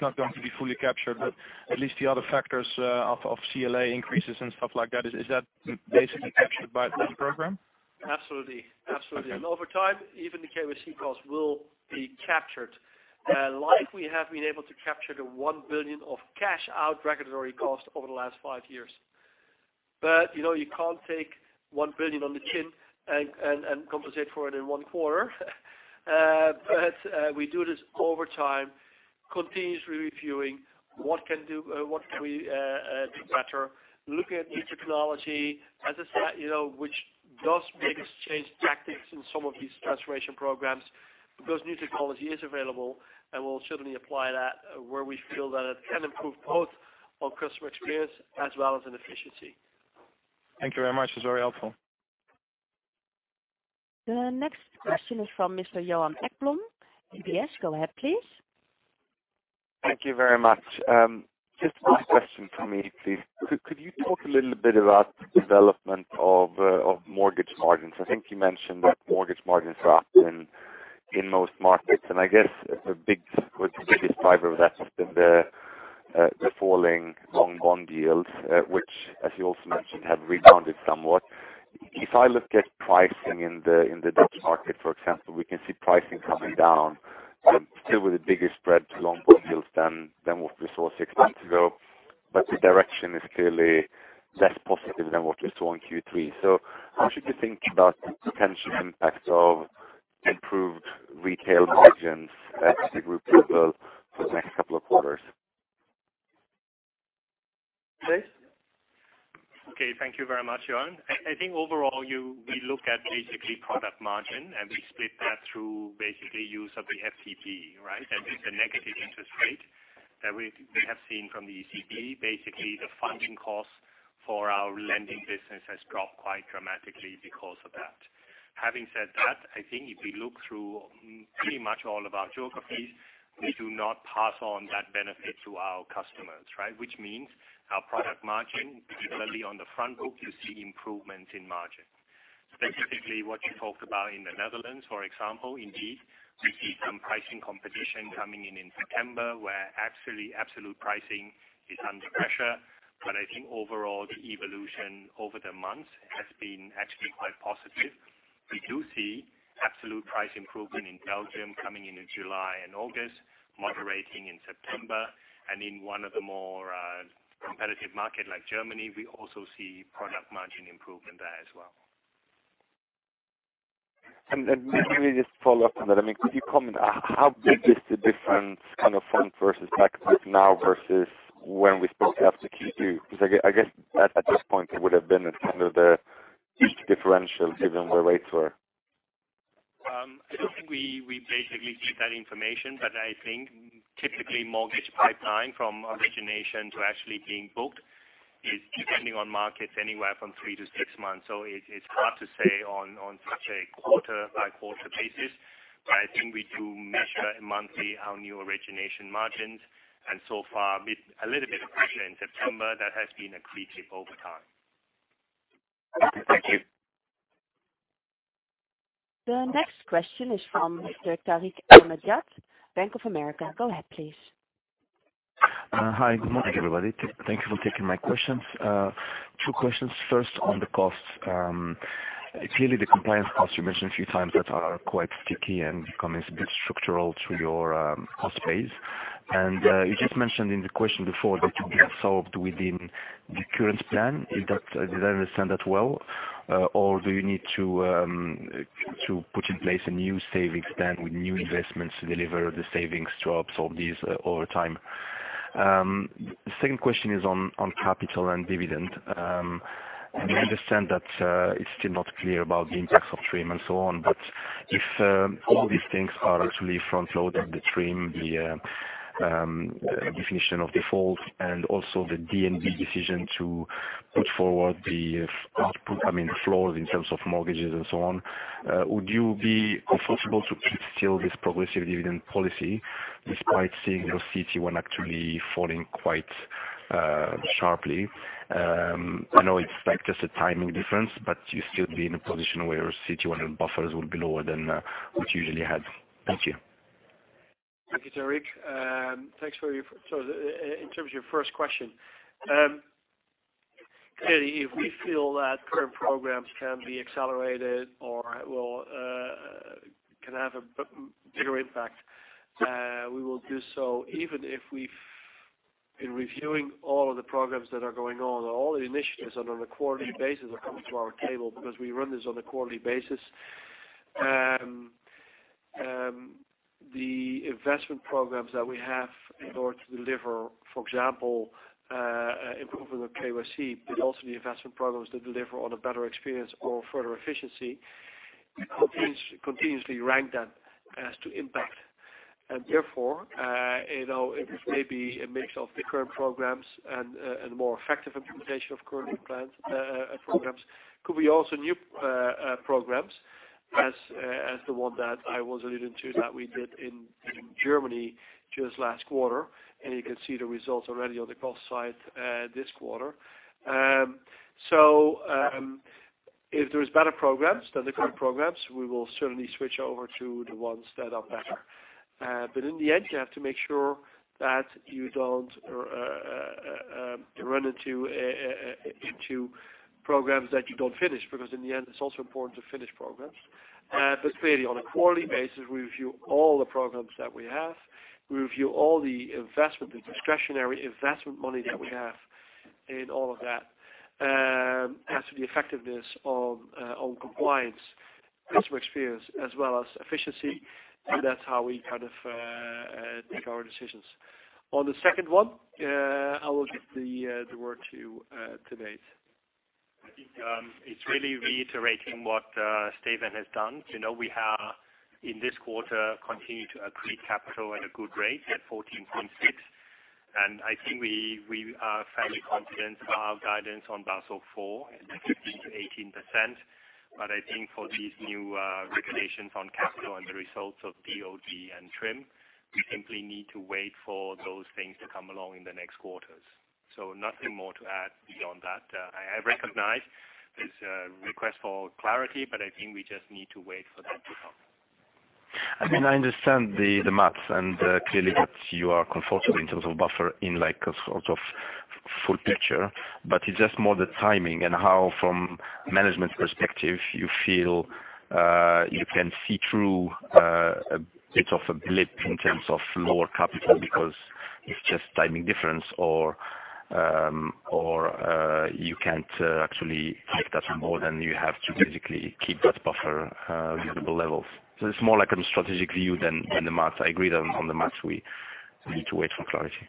not going to be fully captured, but at least the other factors of CLA increases and stuff like that, is that basically captured by the program? Absolutely. Okay. Over time, even the KYC costs will be captured. Like we have been able to capture the 1 billion of cash out regulatory costs over the last five years. You can't take 1 billion on the chin and compensate for it in one quarter. We do this over time, continuously reviewing what can we do better, looking at new technology, as I said, which does make us change tactics in some of these transformation programs because new technology is available, and we'll certainly apply that where we feel that it can improve both our customer experience as well as in efficiency. Thank you very much. It's very helpful. The next question is from Mr. Johan Ekblom, UBS. Go ahead, please. Thank you very much. Just one question from me, please. Could you talk a little bit about the development of mortgage margins? I think you mentioned that mortgage margins are up in most markets, I guess the biggest driver of that has been the falling long bond yields, which as you also mentioned, have rebounded somewhat. If I look at pricing in the Dutch market, for example, we can see pricing coming down, still with the biggest spread to long bond yields than what we saw six months ago. The direction is clearly less positive than what we saw in Q3. How should we think about the potential impact of improved Retail margins at the group level for the next couple of quarters? Tanate? Okay. Thank you very much, Johan. I think overall, we look at basically product margin, and we split that through basically use of the FTP, right? With the negative interest rate that we have seen from the ECB, basically, the funding cost for our lending business has dropped quite dramatically because of that. Having said that, I think if we look through pretty much all of our geographies, we do not pass on that benefit to our customers, right? Which means our product margin, particularly on the front book, you see improvements in margin. Specifically, what you talked about in the Netherlands, for example, indeed, we see some pricing competition coming in in September, where actually absolute pricing is under pressure. I think overall, the evolution over the months has been actually quite positive. We do see absolute price improvement in Belgium coming in in July and August, moderating in September. In one of the more competitive market like Germany, we also see product margin improvement there as well. Maybe just follow up on that. Could you comment how big is the difference kind of front versus back now versus when we spoke after Q2? I guess at that point it would've been at kind of the biggest differential given where rates were. I don't think we basically give that information, I think typically mortgage pipeline from origination to actually being booked is depending on markets, anywhere from three to six months. It's hard to say on such a quarter-by-quarter basis. I think we do measure monthly our new origination margins, and so far, a little bit of pressure in September, that has been accretive over time. Thank you. The next question is from Mr. Tarik El Mejjad, Bank of America. Go ahead, please. Hi, good morning, everybody. Thank you for taking my questions. Two questions. First, on the costs. Clearly, the compliance costs you mentioned a few times that are quite sticky and becoming a bit structural to your cost base. You just mentioned in the question before that it will be solved within the current plan. Did I understand that well, or do you need to put in place a new savings plan with new investments to deliver the savings to absorb these over time? The second question is on capital and dividend. I understand that it's still not clear about the impacts of TRIM and so on. If all these things are actually front-loaded, the TRIM, the definition of default, and also the DNB decision to put forward the floors in terms of mortgages and so on, would you be comfortable to keep still this progressive dividend policy despite seeing your CET1 actually falling quite sharply? I know it's just a timing difference, but you'd still be in a position where your CET1 and buffers will be lower than what you usually had. Thank you. Thank you, Tarik. In terms of your first question, clearly, if we feel that current programs can be accelerated or can have a bigger impact, we will do so, even if we've, in reviewing all of the programs that are going on, all the initiatives that on a quarterly basis are coming to our table because we run this on a quarterly basis. The investment programs that we have in order to deliver, for example, improvement of KYC, but also the investment programs that deliver on a better experience or further efficiency, we continuously rank them as to impact. Therefore, it is maybe a mix of the current programs and more effective implementation of current programs. Could be also new programs. As the one that I was alluding to that we did in Germany just last quarter, and you can see the results already on the cost side this quarter. If there is better programs than the current programs, we will certainly switch over to the ones that are better. In the end, you have to make sure that you don't run into programs that you don't finish, because in the end, it's also important to finish programs. Clearly, on a quarterly basis, we review all the programs that we have. We review all the investment, the discretionary investment money that we have in all of that. To the effectiveness on compliance, customer experience, as well as efficiency. That's how we take our decisions. On the second one, I will give the word to you, Tanate. I think it's really reiterating what Steven has done. We have, in this quarter, continued to accrete capital at a good rate at 14.6%. I think we are fairly confident of our guidance on Basel IV at 15%-18%. I think for these new regulations on capital and the results of DoD and TRIM, we simply need to wait for those things to come along in the next quarters. Nothing more to add beyond that. I recognize this request for clarity, but I think we just need to wait for that to come. I understand the maths and clearly that you are comfortable in terms of buffer in a sort of full picture, it's just more the timing and how from management perspective, you feel, you can see through a bit of a blip in terms of lower capital because it's just timing difference or you can't actually take that more than you have to basically keep that buffer reasonable levels. It's more like a strategic view than the maths. I agree that on the maths, we need to wait for clarity.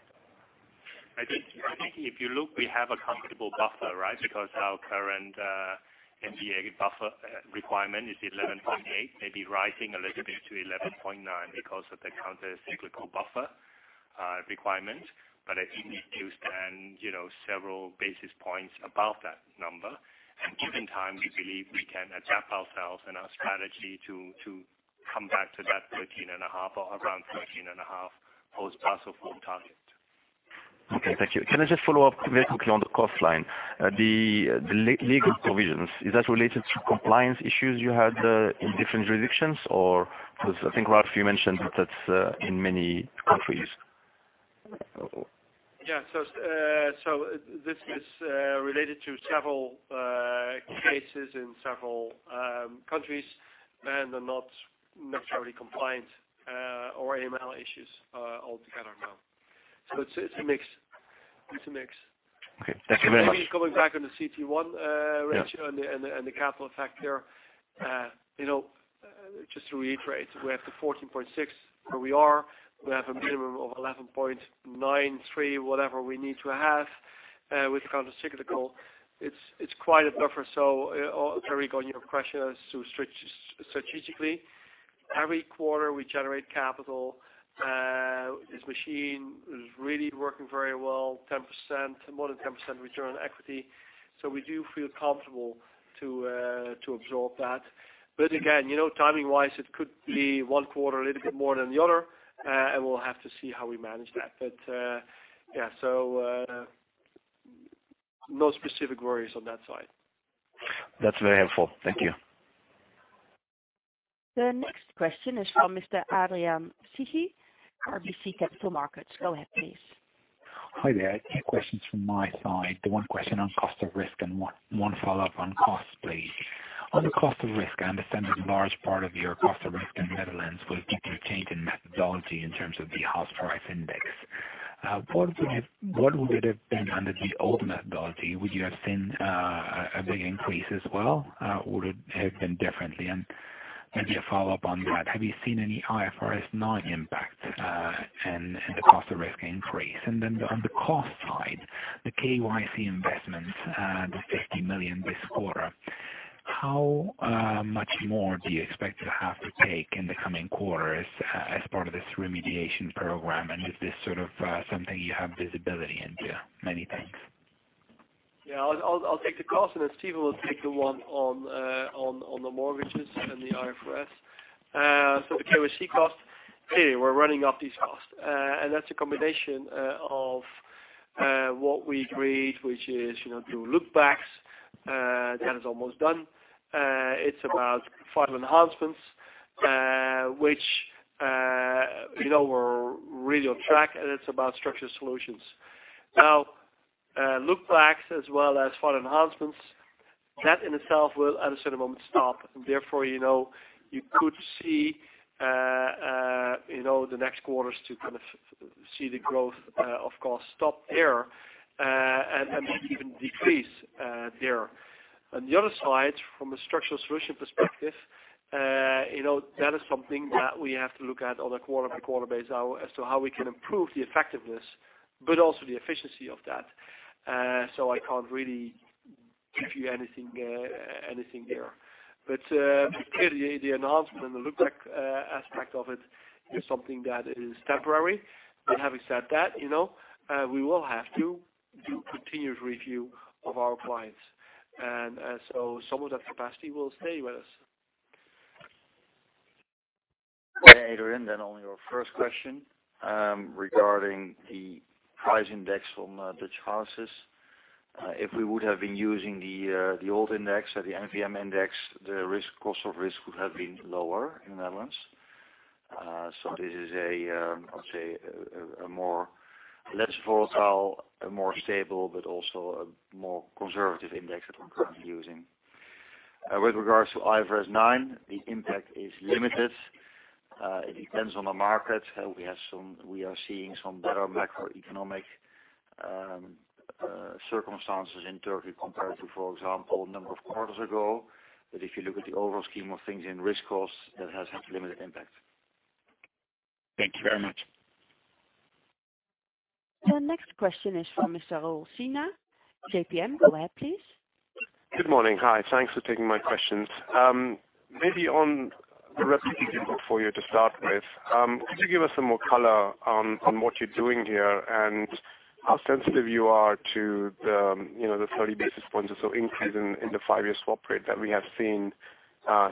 I think if you look, we have a comfortable buffer, right? Our current MDA buffer requirement is 11.8%, maybe rising a little bit to 11.9% because of the countercyclical buffer requirement. I think you stand several basis points above that number. Given time, we believe we can adapt ourselves and our strategy to come back to that 13.5% or around 13.5% post-Basel IV target. Okay, thank you. Can I just follow up very quickly on the cost line? The legal provisions, is that related to compliance issues you had in different jurisdictions, or Because I think, Ralph, you mentioned that that's in many countries? Yeah. This is related to several cases in several countries and are not necessarily compliance or AML issues altogether, no. It's a mix. Okay. Thank you very much. Maybe coming back on the CET1 ratio. Yeah. The capital factor. Just to reiterate, we have the 14.6% where we are. We have a minimum of 11.93%, whatever we need to have with countercyclical. It's quite a buffer. Tarik, on your question as to strategically, every quarter we generate capital. This machine is really working very well, more than 10% return on equity. We do feel comfortable to absorb that. Again, timing-wise, it could be one quarter a little bit more than the other, and we'll have to see how we manage that. Yeah. No specific worries on that side. That's very helpful. Thank you. The next question is from Mr. Adrian Cighi, RBC Capital Markets. Go ahead, please. Hi there. Two questions from my side. One question on cost of risk and one follow-up on costs, please. On the cost of risk, I understand that a large part of your cost of risk in Netherlands will be the change in methodology in terms of the house price index. What would it have been under the old methodology? Would you have seen a big increase as well? Would it have been differently? Maybe a follow-up on that, have you seen any IFRS 9 impact in the cost of risk increase? On the cost side, the KYC investments, the 50 million this quarter, how much more do you expect to have to take in the coming quarters as part of this remediation program? Is this sort of something you have visibility into? Many thanks. Yeah. I'll take the cost and then Steven will take the one on the mortgages and the IFRS. The KYC cost, clearly, we're running up these costs. That's a combination of what we agreed, which is do lookbacks. That is almost done. It's about file enhancements, which we're really on track, and it's about structured solutions. Lookbacks as well as file enhancements, that in itself will at a certain moment stop. You could see the next quarters to kind of see the growth of cost stop there and maybe even decrease there. From a structured solution perspective, that is something that we have to look at on a quarter-by-quarter basis as to how we can improve the effectiveness but also the efficiency of that. I can't really give you anything there. Clearly, the enhancement and the lookback aspect of it is something that is temporary. Having said that, we will have to do continued review of our clients. Some of that capacity will stay with us. Adrian, on your first question regarding the price index from Dutch houses. If we would have been using the old index or the NVM index, the cost of risk would have been lower in the Netherlands. This is a, I would say, a more less volatile, a more stable but also a more conservative index that we're currently using. With regards to IFRS 9, the impact is limited. It depends on the market. We are seeing some better macroeconomic circumstances in Turkey compared to, for example, a number of quarters ago. If you look at the overall scheme of things in risk costs, that has had limited impact. Thank you very much. The next question is from Mr. Raul Sinha, JPM. Go ahead, please. Good morning. Hi. Thanks for taking my questions. Maybe on the [inaudible] portfolio to start with. Could you give us some more color on what you're doing here and how sensitive you are to the 30 basis points or so increase in the five-year swap rate that we have seen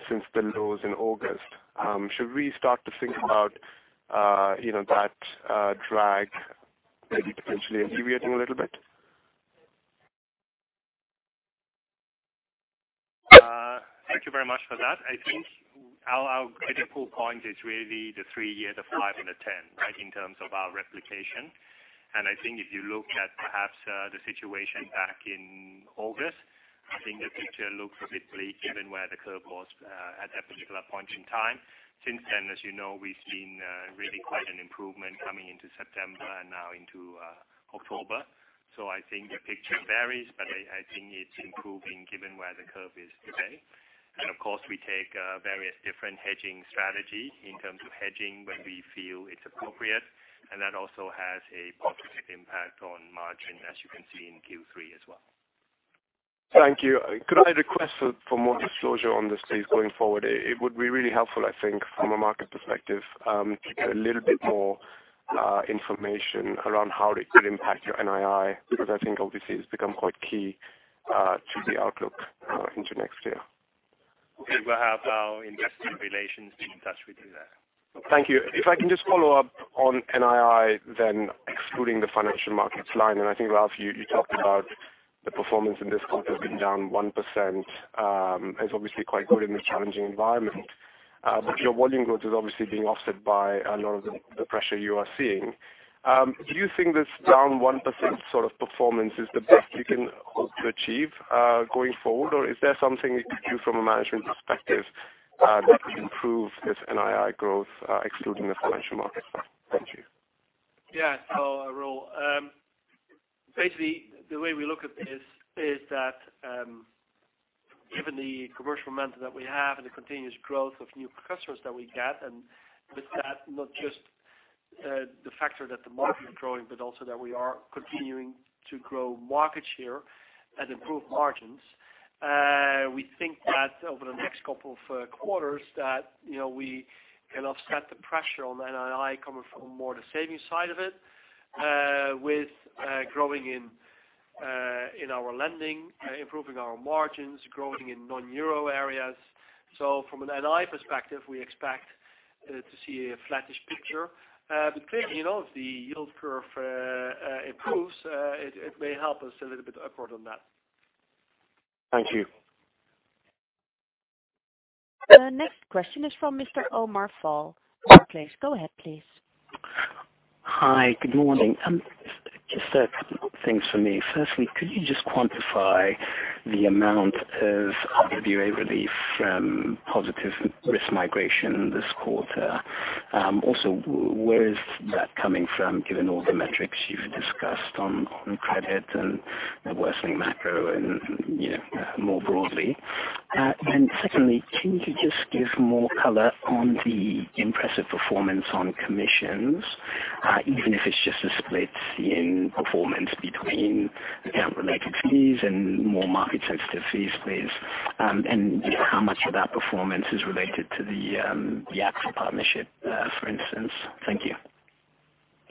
since the lows in August? Should we start to think about that drag maybe potentially ameliorating a little bit? Thank you very much for that. I think our critical point is really the three-year, the five and the 10, right, in terms of our replication. I think if you look at perhaps the situation back in August, I think the picture looks a bit bleak, given where the curve was at that particular point in time. Since then, as you know, we've seen really quite an improvement coming into September and now into October. I think the picture varies, but I think it's improving given where the curve is today. Of course, we take various different hedging strategy in terms of hedging when we feel it's appropriate, and that also has a positive impact on margin, as you can see in Q3 as well. Thank you. Could I request for more disclosure on this, please, going forward? It would be really helpful, I think, from a market perspective, to get a little bit more information around how it could impact your NII, because I think obviously it has become quite key to the outlook into next year. Okay. We'll have our Investor Relations be in touch with you there. Thank you. If I can just follow up on NII then, excluding the Financial Markets line, and I think, Ralph, you talked about the performance in this quarter has been down 1%. It's obviously quite good in the challenging environment. Your volume growth is obviously being offset by a lot of the pressure you are seeing. Do you think this down 1% sort of performance is the best you can hope to achieve going forward? Is there something you could do from a management perspective that could improve this NII growth, excluding the Financial Markets? Thank you. Yeah. Raul, basically the way we look at this is that, given the commercial momentum that we have and the continuous growth of new customers that we get, and with that, not just the factor that the market is growing, but also that we are continuing to grow market share and improve margins. We think that over the next couple of quarters that we can offset the pressure on NII coming from more the saving side of it, with growing in our lending, improving our margins, growing in non-euro areas. From an NII perspective, we expect to see a flattish picture. Clearly, if the yield curve improves, it may help us a little bit upward on that. Thank you. Next question is from Mr. Omar Fall, Barclays. Go ahead, please. Hi. Good morning. Just a couple of things for me. Firstly, could you just quantify the amount of RWA relief from positive risk migration this quarter? Where is that coming from, given all the metrics you've discussed on credit and the worsening macro and more broadly? Secondly, can you just give more color on the impressive performance on commissions, even if it's just a split in performance between account-related fees and more market-sensitive fees, please? Just how much of that performance is related to the AXA partnership, for instance? Thank you.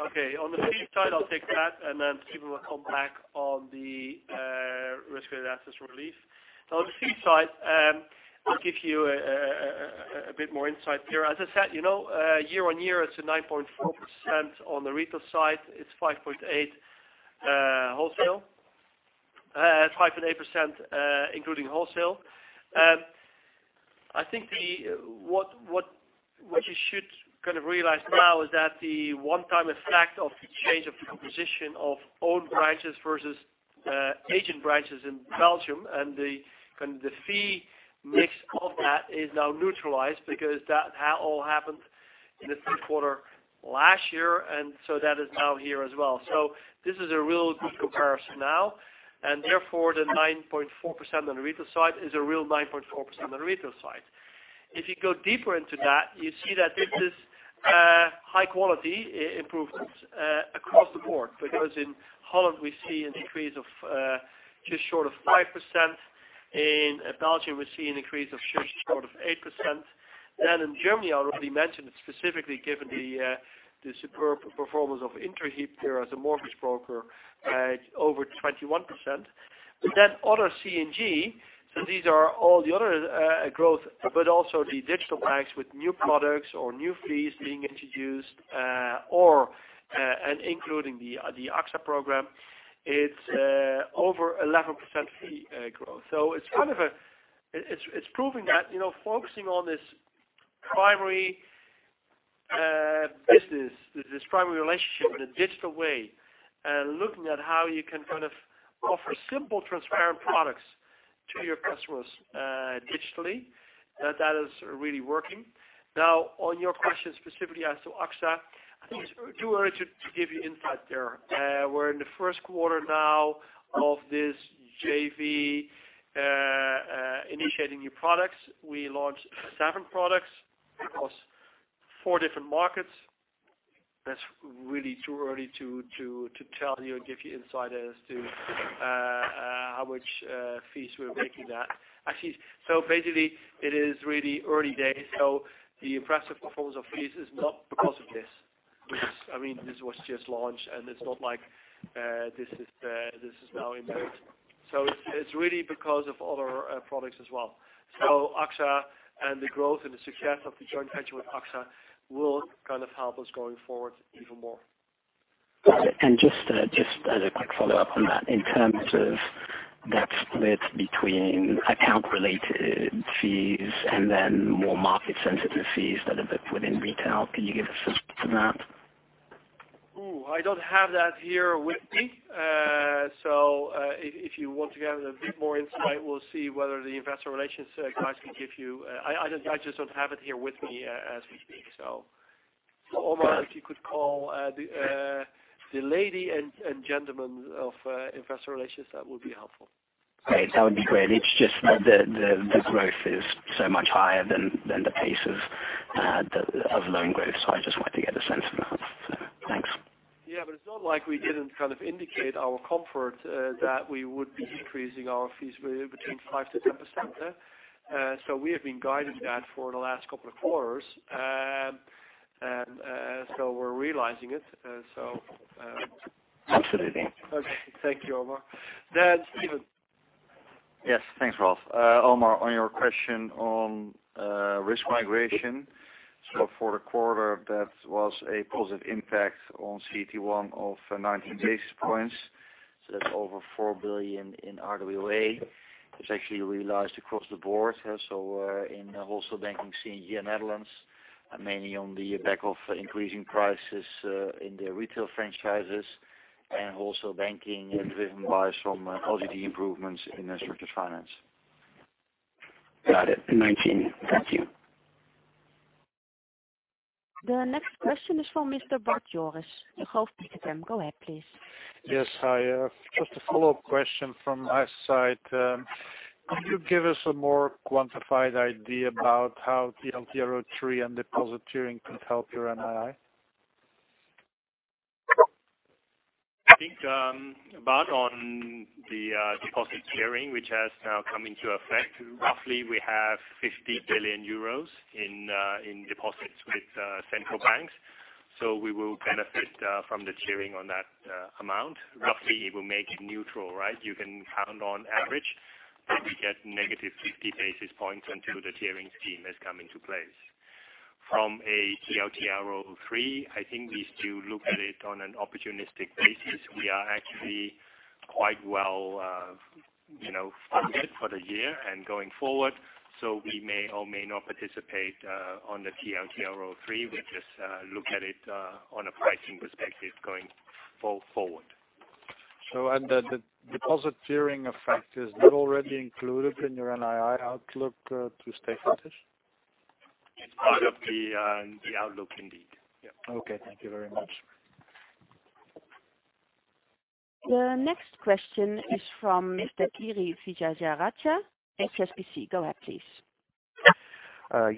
Okay. On the fee side, I'll take that, and then people will come back on the risk-weighted assets relief. On the fee side, I'll give you a bit more insight there. As I said, year-on-year, it's a 9.4%. On the Retail side, it's 5.8% including Wholesale. I think what you should kind of realize now is that the one-time effect of the change of the composition of owned branches versus agent branches in Belgium and the fee mix of that is now neutralized because that all happened in the third quarter last year. That is now here as well. This is a real good comparison now, and therefore the 9.4% on the Retail side is a real 9.4% on the Retail side. If you go deeper into that, you see that this is high-quality improvements across the board, because in Holland we see an increase of just short of 5%. In Belgium, we see an increase of just short of 8%. In Germany, I already mentioned it specifically given the superb performance of Interhyp there as a mortgage broker at over 21%. Other C&GM, so these are all the other growth, but also the digital banks with new products or new fees being introduced, and including the AXA program. It's over 11% fee growth. It's proving that focusing on this primary business, this primary relationship in a digital way, and looking at how you can offer simple, transparent products to your customers digitally, that is really working. On your question specifically as to AXA, I think it's too early to give you insight there. We're in the first quarter now of this JV initiating new products. We launched seven products across four different markets. That's really too early to tell you or give you insight as to how much fees we're making there. Basically it is really early days, so the impressive performance of fees is not because of this. This was just launched, and it's not like this is now in place. It's really because of other products as well. AXA and the growth and the success of the joint venture with AXA will help us going forward even more. Just as a quick follow-up on that, in terms of that split between account-related fees and then more market-sensitive fees that are within Retail, can you give us insight to that? I don't have that here with me. If you want to get a bit more insight, we'll see whether the Investor Relations guys can give you. I just don't have it here with me as we speak. Omar, if you could call the lady and gentleman of Investor Relations, that would be helpful. Great. That would be great. It's just the growth is so much higher than the pace of loan growth, so I just wanted to get a sense of that. Thanks. Yeah, it's not like we didn't indicate our comfort that we would be increasing our fees between 5%-10%. We have been guiding that for the last couple of quarters, and so we're realizing it. Absolutely. Okay. Thank you, Omar. Then Steven. Yes, thanks, Ralph. Omar, on your question on risk migration. For the quarter, that was a positive impact on CET1 of 19 basis points, that's over 4 billion in RWA. It's actually realized across the board. In Wholesale Banking C&GM Netherlands, mainly on the back of increasing prices in their retail franchises and also banking driven by some LGD improvements in [structured] finance. Got it. 19. Thank you. The next question is from Mr. Bart Jooris, Degroof Petercam. Go ahead, please. Yes. Hi. Just a follow-up question from our side. Could you give us a more quantified idea about how TLTRO III and deposit tiering can help your NII? I think, Bart, on the deposit tiering, which has now come into effect, roughly we have 50 billion euros in deposits with central banks. We will benefit from the tiering on that amount. Roughly, it will make it neutral. You can count on average that we get -50 basis points until the tiering scheme has come into place. From a TLTRO III, I think we still look at it on an opportunistic basis. We are actually quite well funded for the year and going forward, we may or may not participate on the TLTRO III. We just look at it on a pricing perspective going forward. The deposit tiering effect is not already included in your NII outlook to stakeholders? It's part of the outlook indeed. Yeah. Okay. Thank you very much. The next question is from Kiri Vijayarajah, HSBC. Go ahead, please.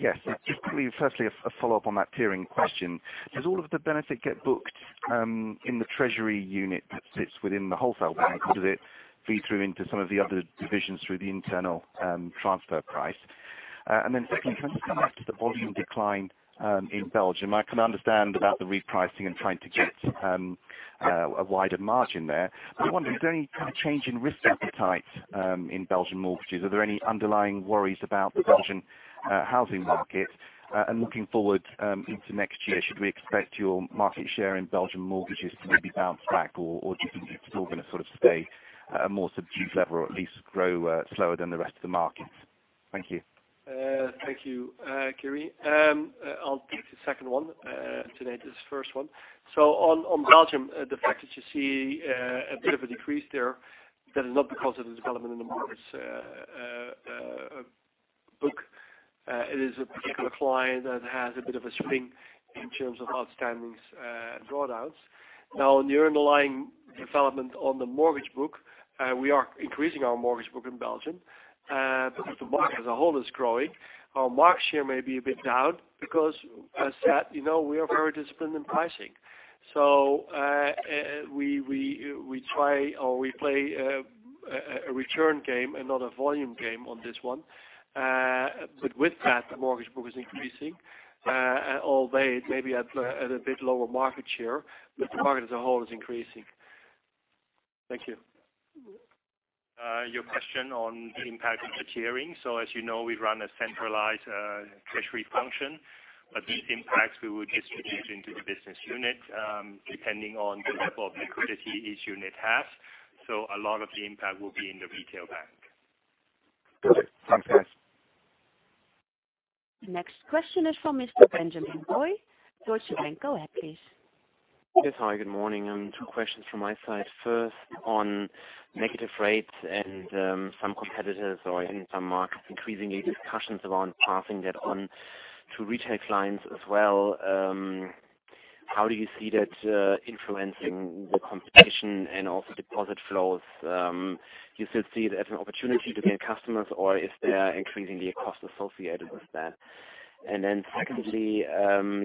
Yes. Just firstly, a follow-up on that tiering question. Does all of the benefit get booked in the Treasury unit that sits within the Wholesale Bank, or does it feed through into some of the other divisions through the internal transfer price? Secondly, can you comment on the volume decline in Belgium? I can understand about the repricing and trying to get a wider margin there. I wonder, is there any kind of change in risk appetite in Belgian mortgages? Are there any underlying worries about the Belgian housing market? Looking forward into next year, should we expect your market share in Belgian mortgages to maybe bounce back, or do you think it is all going to stay at a more subdued level or at least grow slower than the rest of the market? Thank you. Thank you, Kiri. I'll take the second one. Tanate does the first one. On Belgium, the fact that you see a bit of a decrease there, that is not because of the development in the mortgage book. It is a particular client that has a bit of a swing in terms of outstandings drawdowns. On the underlying development on the mortgage book, we are increasing our mortgage book in Belgium because the market as a whole is growing. Our market share may be a bit down because, as I said, we are very disciplined in pricing. We play a return game and not a volume game on this one. With that, the mortgage book is increasing, albeit maybe at a bit lower market share, but the market as a whole is increasing. Thank you. Your question on the impact of the tiering. As you know, we run a centralized Treasury function, but these impacts we will distribute into the business unit, depending on the level of liquidity each unit has. A lot of the impact will be in the Retail Bank. Good. Thanks, guys. Next question is for Mr. Benjamin Goy, Deutsche Bank. Go ahead, please. Yes. Hi, good morning. Two questions from my side. First on negative rates and some competitors or in some markets, increasingly discussions around passing that on to retail clients as well. How do you see that influencing the competition and also deposit flows? Do you still see it as an opportunity to gain customers, or is there increasingly a cost associated with that? Secondly,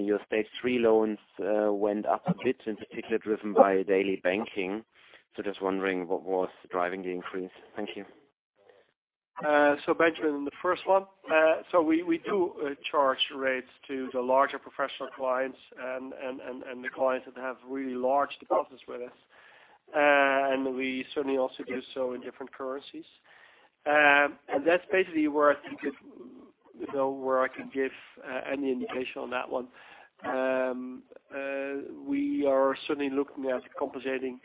you state Stage 3 loans went up a bit, in particular driven by daily banking. Just wondering what was driving the increase? Thank you. Benjamin, the first one. We do charge rates to the larger professional clients and the clients that have really large deposits with us. We certainly also do so in different currencies. That's basically where I think where I can give any indication on that one. We are certainly looking at compensating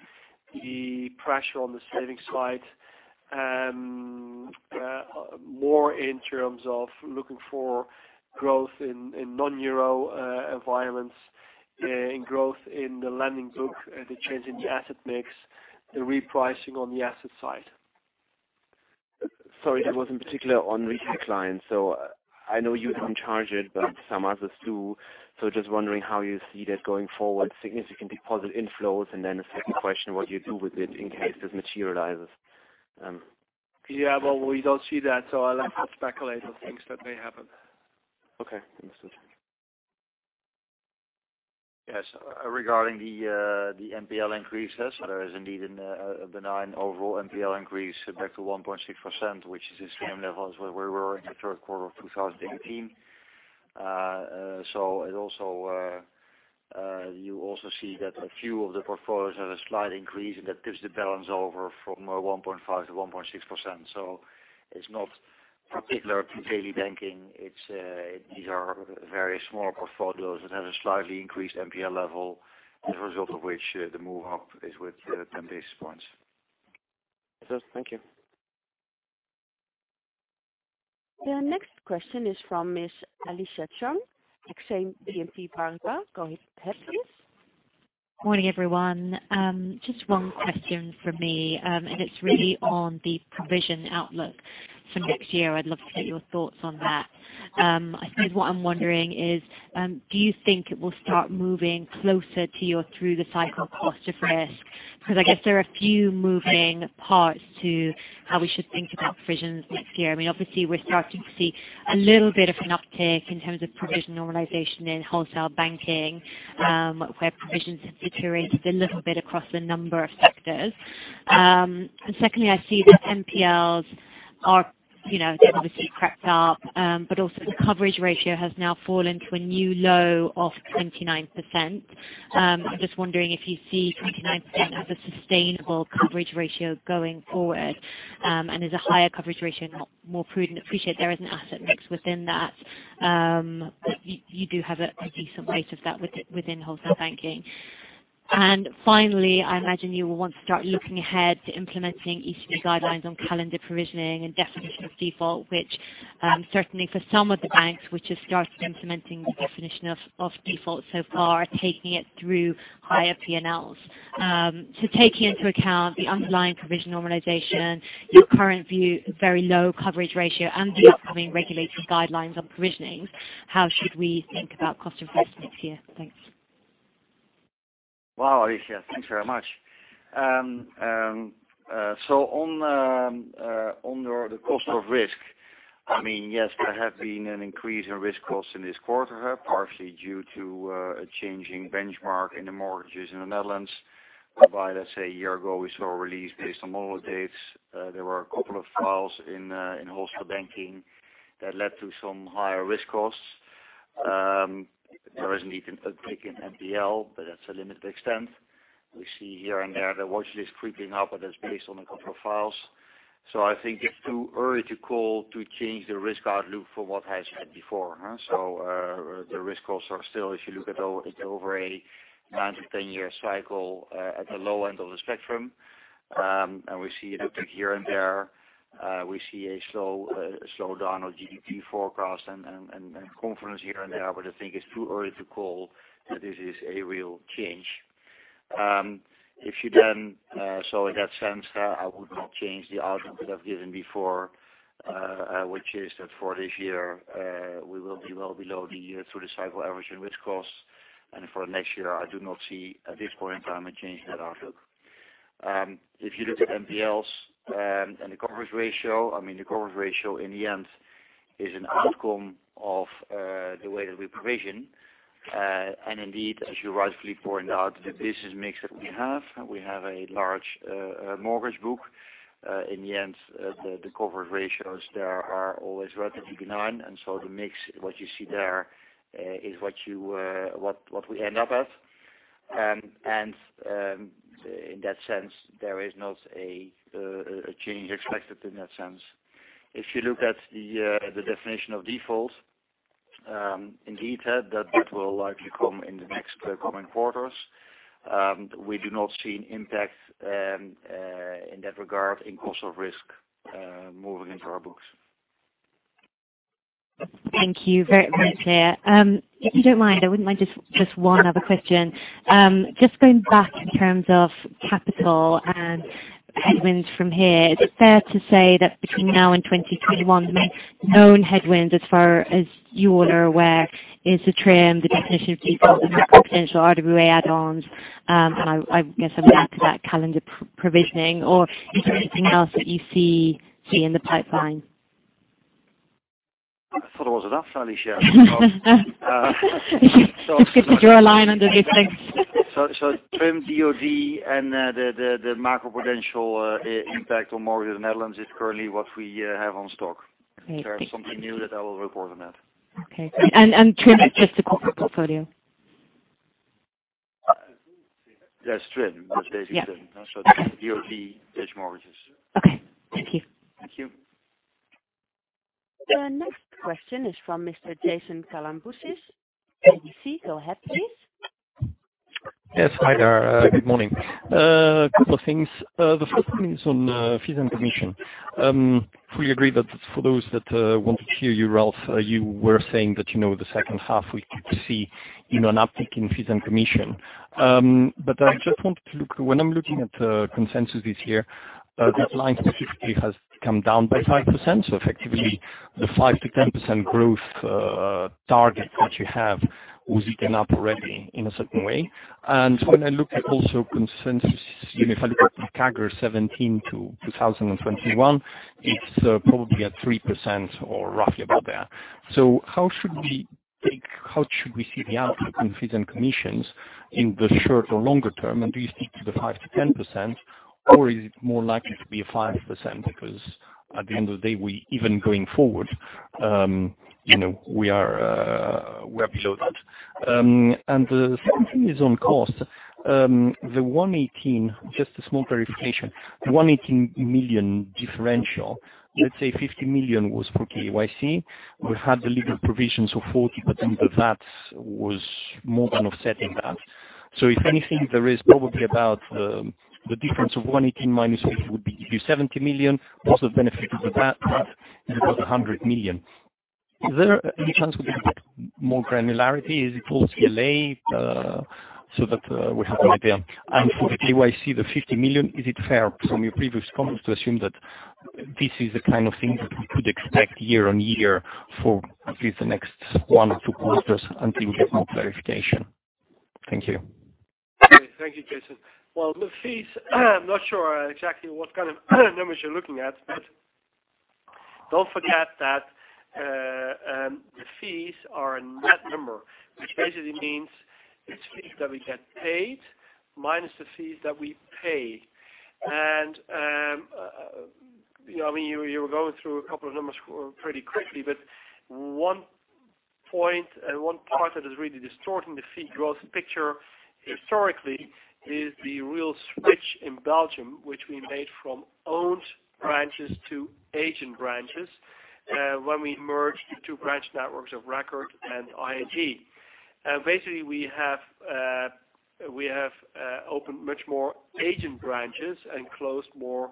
the pressure on the savings side, more in terms of looking for growth in non-euro environments, in growth in the lending book, the change in the asset mix, the repricing on the asset side. Sorry, that was in particular on retail clients. I know you don't charge it, but some others do. Just wondering how you see that going forward, significant deposit inflows, and then a second question, what you do with it in case this materializes. Yeah, well, we don't see that, so I'll not speculate on things that may happen. Okay. Understood. Yes. Regarding the NPL increases, there is indeed a benign overall NPL increase back to 1.6%, which is the same levels where we were in the third quarter of 2018. You also see that a few of the portfolios have a slight increase, and that tips the balance over from a 1.5%-1.6%. It's not particular to daily banking. These are very small portfolios that have a slightly increased NPL level, as a result of which the move up is with 10 basis points. Thank you. The next question is from Miss Alicia Chung, Exane BNP Paribas. Go ahead, please. Morning, everyone. Just one question from me, and it's really on the provision outlook for next year. I'd love to get your thoughts on that. I suppose what I'm wondering is, do you think it will start moving closer to your through the cycle cost of risk? I guess there are a few moving parts to how we should think about provisions next year. Obviously, we're starting to see a little bit of an uptick in terms of provision normalization in Wholesale Banking, where provisions have deteriorated a little bit across a number of sectors. Secondly, I see that NPLs have obviously crept up, but also the coverage ratio has now fallen to a new low of 29%. I'm just wondering if you see 29% as a sustainable coverage ratio going forward, and is a higher coverage ratio more prudent? Appreciate there is an asset mix within that, but you do have a decent weight of that within Wholesale Banking. Finally, I imagine you will want to start looking ahead to implementing ECB guidelines on calendar provisioning and definition of default, which certainly for some of the banks which have started implementing the definition of default so far, are taking it through higher P&Ls. Taking into account the underlying provision normalization, your current view, very low coverage ratio and the upcoming regulatory guidelines on provisioning, how should we think about cost of risk next year? Thanks. Wow, Alicia. Thanks very much. On the cost of risk, yes, there has been an increase in risk cost in this quarter, partially due to a changing benchmark in the mortgages in the Netherlands, whereby, let's say a year ago, we saw a release based on model [updates]. There were a couple of files in Wholesale Banking that led to some higher risk costs. There is indeed an uptick in NPL, that's a limited extent. We see here and there the watchlist creeping up, that's based on a couple of files. I think it's too early to call to change the risk outlook for what has had before. The risk costs are still, if you look at over a nine- to 10-year cycle, at the low end of the spectrum. We see an uptick here and there. We see a slowdown of GDP forecast and confluence here and there. I think it's too early to call that this is a real change. In that sense, I would not change the outlook that I've given before, which is that for this year, we will be well below the year through the cycle average in risk costs. For next year, I do not see at this point in time, a change in that outlook. If you look at NPLs and the coverage ratio, the coverage ratio in the end is an outcome of the way that we provision. Indeed, as you rightfully pointed out, the business mix that we have, we have a large mortgage book. In the end, the coverage ratios there are always relatively benign. The mix, what you see there, is what we end up with. In that sense, there is not a change expected in that sense. If you look at the definition of default, indeed, that will likely come in the next coming quarters. We do not see an impact in that regard in cost of risk moving into our books. Thank you. Very clear. If you don't mind, I wouldn't mind just one other question. Just going back in terms of capital and headwinds from here, is it fair to say that between now and 2021, the known headwinds, as far as you all are aware, is the TRIM, the definition of default and the macro-prudential RWA add-ons, and I guess I'm going to add to that calendar provisioning, or is there anything else that you see in the pipeline? I thought it was enough, Alicia. Just to draw a line under these things. TRIM, DoD, and the macro-prudential impact on mortgages in the Netherlands is currently what we have on stock. If there's something new, then I will report on that. Okay. TRIM is just the capital portfolio? Yes, TRIM. Basically, TRIM. DoD, Dutch mortgages. Okay. Thank you. Thank you. The next question is from Mr. Jason Kalamboussis, KBC. Go ahead, please. Yes. Hi there. Good morning. A couple of things. The first one is on fees and commission. If we agree that for those that want to hear you, Ralph, you were saying that the second half we could see an uptick in fees and commission. I just wanted to look, when I am looking at consensus this year, this line specifically has come down by 5%. Effectively, the 5%-10% growth target that you have was eaten up already in a certain way. When I look at also consensus, if I look at CAGR 2017 to 2021, it is probably at 3% or roughly about there. How should we see the outcome in fees and commissions in the short or longer term? Do you stick to the 5%-10%, or is it more likely to be a 5%? At the end of the day, even going forward, we are below that. The second thing is on cost. Just a small clarification. The 118 million differential, let's say 50 million was for KYC. We had the legal provision, so 40%, but that was more than offsetting that. If anything, there is probably about the difference of 118 million minus 50 million would give you 70 million. Also benefited with that, it was 100 million. Is there any chance we could get more granularity? Is it full CLA, so that we have an idea? For the KYC, the 50 million, is it fair from your previous comments to assume that this is the kind of thing that we could expect year-on-year for at least the next one or two quarters until we get more clarification? Thank you. Okay. Thank you, Jason. Well, the fees, I'm not sure exactly what kind of numbers you're looking at, but don't forget that the fees are a net number, which basically means it's fees that we get paid minus the fees that we pay. You were going through a couple of numbers pretty quickly, but one point and one part that is really distorting the fee growth picture historically is the real switch in Belgium, which we made from owned branches to agent branches when we merged the two branch networks of Record and ING. Basically, we have opened much more agent branches and closed more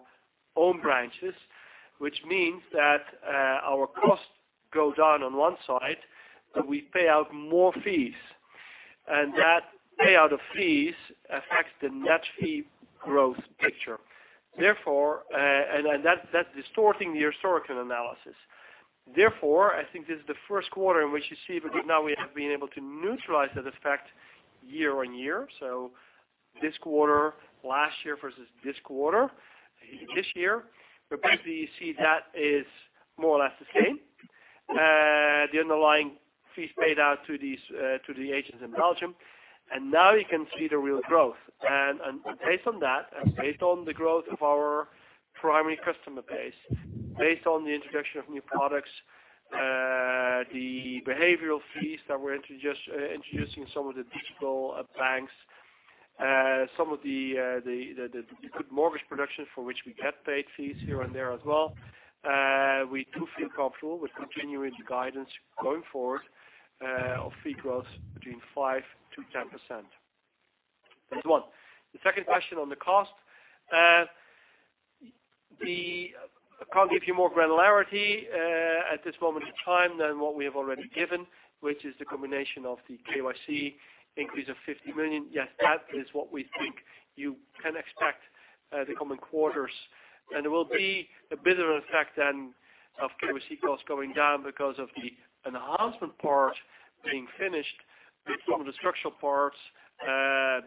owned branches, which means that our costs go down on one side, but we pay out more fees. That payout of fees affects the net fee growth picture. That's distorting the historical analysis. I think this is the first quarter in which you see that now we have been able to neutralize that effect year-on-year. This quarter, last year versus this quarter, this year, but basically you see that is more or less the same, the underlying fees paid out to the agents in Belgium. Now you can see the real growth. Based on that, and based on the growth of our primary customer base, based on the introduction of new products, the behavioral fees that we're introducing, some of the digital banks, some of the good mortgage production for which we get paid fees here and there as well, we do feel comfortable with continuing the guidance going forward of fee growth between 5%-10%. That's one. The second question on the cost. I cannot give you more granularity at this moment in time than what we have already given, which is the combination of the KYC increase of 50 million. Yes, that is what we think you can expect the coming quarters, and there will be a bigger effect then of KYC costs going down because of the enhancement part being finished. Some of the structural parts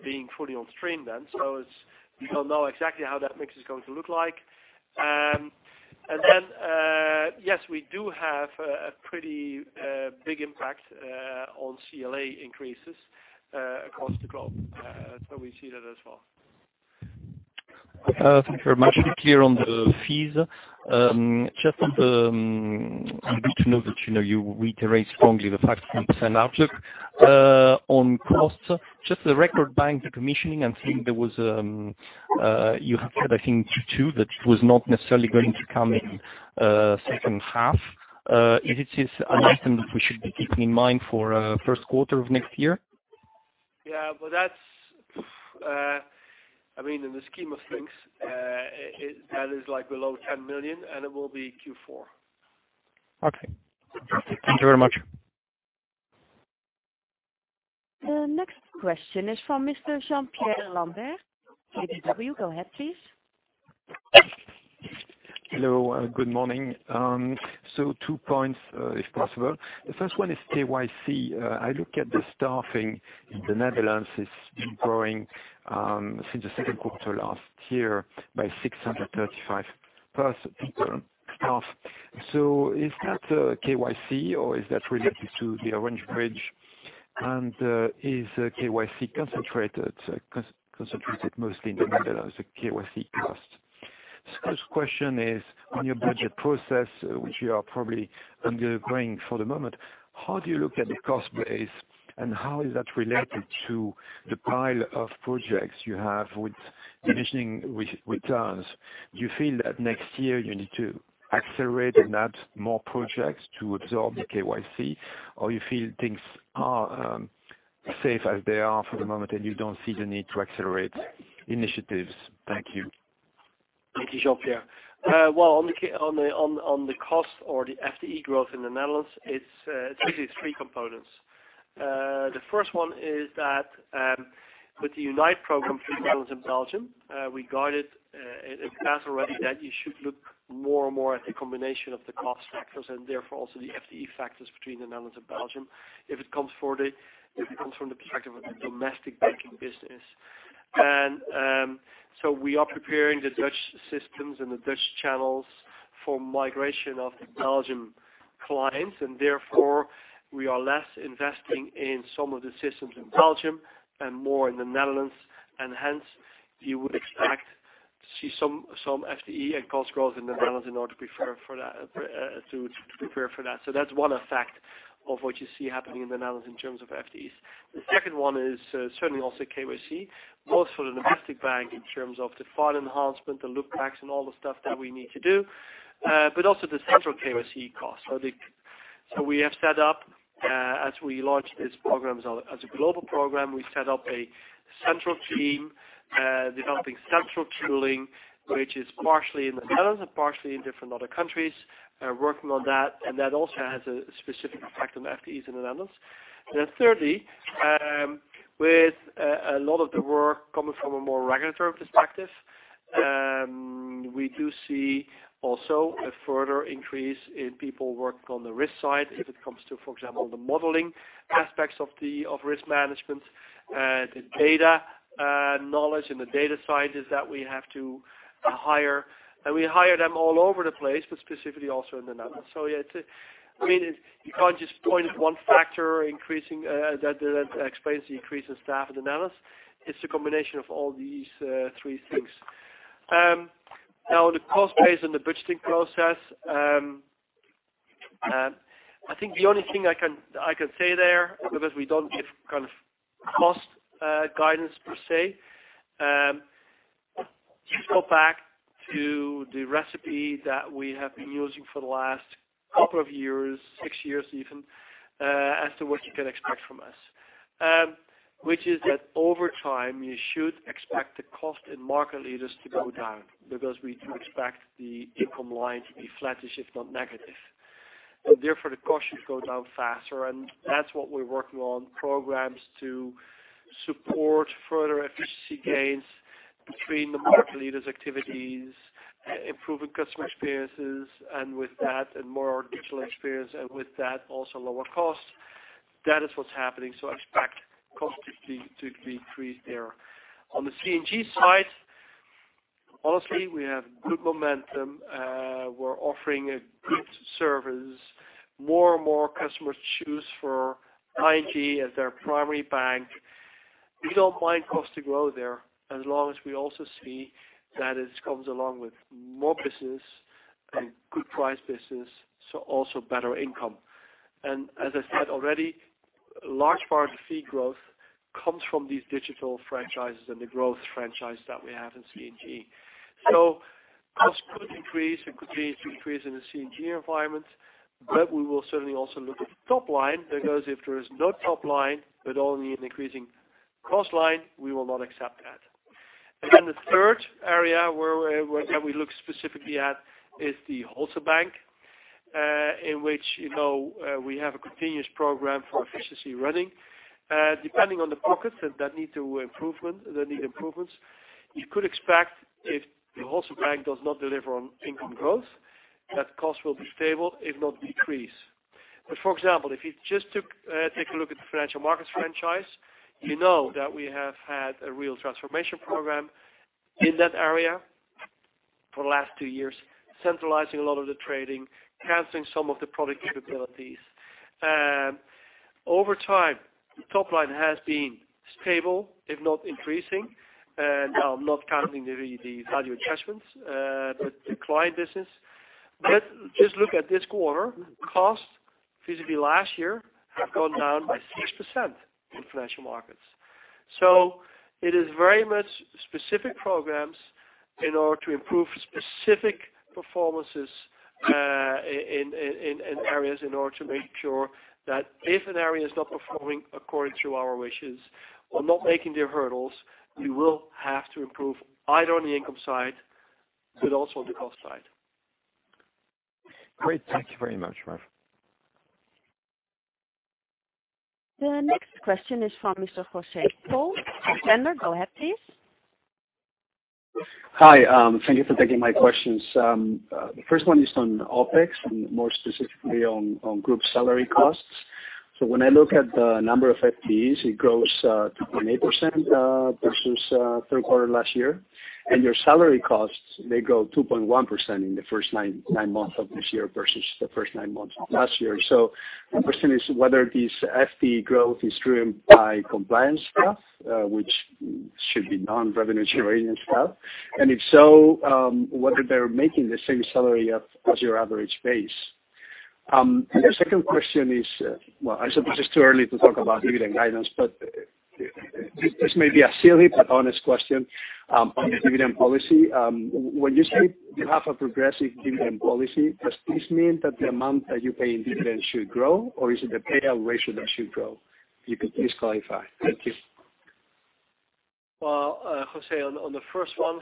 being fully on stream then. We don't know exactly how that mix is going to look like. Then, yes, we do have a pretty big impact on CLA increases across the globe. We see that as well. Thank you very much. To be clear on the fees, good to know that you reiterate strongly the 5% outlook. On costs, just the Record Bank decommissioning and seeing you have said, I think, Q2, that it was not necessarily going to come in second half. Is it just an item that we should be keeping in mind for first quarter of next year? Yeah, in the scheme of things, that is below 10 million, and it will be Q4. Okay. Thank you very much. The next question is from Mr. Jean-Pierre Lambert. KBW, go ahead, please. Hello, good morning. Two points, if possible. The first one is KYC. I look at the staffing in the Netherlands. It has been growing since the second quarter last year by 635 people, staff. Is that KYC or is that related to the Orange Bridge? Is KYC concentrated mostly in the Netherlands, the KYC costs? Second question is on your budget process, which you are probably undergoing for the moment. How do you look at the cost base and how is that related to the pile of projects you have with decommissioning returns? Do you feel that next year you need to accelerate and add more projects to absorb the KYC, or you feel things are safe as they are for the moment, and you don't see the need to accelerate initiatives? Thank you. Thank you, Jean-Pierre. Well, on the cost or the FTE growth in the Netherlands, it's basically three components. The first one is that with the Unite program for the Netherlands and Belgium, we guided in the past already that you should look more and more at the combination of the cost factors and therefore also the FTE factors between the Netherlands and Belgium. If it comes from the perspective of the domestic banking business. We are preparing the Dutch systems and the Dutch channels for migration of the Belgium clients, and therefore we are less investing in some of the systems in Belgium and more in the Netherlands, and hence you would expect to see some FTE and cost growth in the Netherlands in order to prepare for that. That's one effect of what you see happening in the Netherlands in terms of FTEs. The second one is certainly also KYC, both for the domestic bank in terms of the file enhancement, the look backs, and all the stuff that we need to do, but also the central KYC cost. We have set up, as we launch these programs as a global program, we set up a central team, developing central tooling, which is partially in the Netherlands and partially in different other countries, working on that, and that also has a specific effect on the FTEs in the Netherlands. Thirdly, with a lot of the work coming from a more regulatory perspective, we do see also a further increase in people working on the risk side. If it comes to, for example, the modeling aspects of risk management, the data knowledge, and the data scientists that we have to hire. We hire them all over the place, but specifically also in the Netherlands. You can't just point at one factor that explains the increase in staff in the Netherlands. It's a combination of all these three things. The cost base and the budgeting process. I think the only thing I can say there, because we don't give cost guidance per se. You go back to the recipe that we have been using for the last couple of years, six years even, as to what you can expect from us. Over time, you should expect the cost in market leaders to go down because we do expect the income line to be flattish, if not negative. Therefore, the cost should go down faster, and that's what we're working on, programs to support further efficiency gains between the market leaders' activities, improving customer experiences, and with that a more digital experience, and with that, also lower cost. That is what's happening. Expect costs to decrease there. On the C&G side, honestly, we have good momentum. We're offering a good service. More and more customers choose for ING as their primary bank. We don't mind costs to grow there as long as we also see that it comes along with more business and good price business, so also better income. As I said already, a large part of the fee growth comes from these digital franchises and the growth franchises that we have in C&G. Costs could increase. It could lead to increase in the C&G environment, but we will certainly also look at the top line, because if there is no top line but only an increasing cost line, we will not accept that. The third area that we look specifically at is the Wholesale Bank, in which we have a continuous program for efficiency running. Depending on the pockets that need improvements, you could expect if the Wholesale Bank does not deliver on income growth. That cost will be stable, if not decrease. For example, if you just take a look at the Financial Markets franchise, you know that we have had a real transformation program in that area for the last two years, centralizing a lot of the trading, canceling some of the product capabilities. Over time, the top line has been stable, if not increasing, and now I'm not counting the value attachments, the client business. Just look at this quarter, costs vis-a-vis last year have gone down by 6% in Financial Markets. It is very much specific programs in order to improve specific performances in areas in order to make sure that if an area is not performing according to our wishes or not making their hurdles, we will have to improve either on the income side, but also on the cost side. Great. Thank you very much, Ralph. The next question is from Mr. Jose Coll. Santander, go ahead, please. Hi. Thank you for taking my questions. The first one is on OpEx, more specifically on group salary costs. When I look at the number of FTEs, it grows 2.8% versus third quarter last year. Your salary costs, they grow 2.1% in the first nine months of this year versus the first nine months of last year. My question is whether this FTE growth is driven by compliance staff, which should be non-revenue generating staff, and if so, whether they're making the same salary as your average base. The second question is, well, I suppose it's too early to talk about dividend guidance, but this may be a silly but honest question on the dividend policy. When you say you have a progressive dividend policy, does this mean that the amount that you pay in dividends should grow, or is it the payout ratio that should grow? If you could please clarify. Thank you. Well, Jose, on the first one.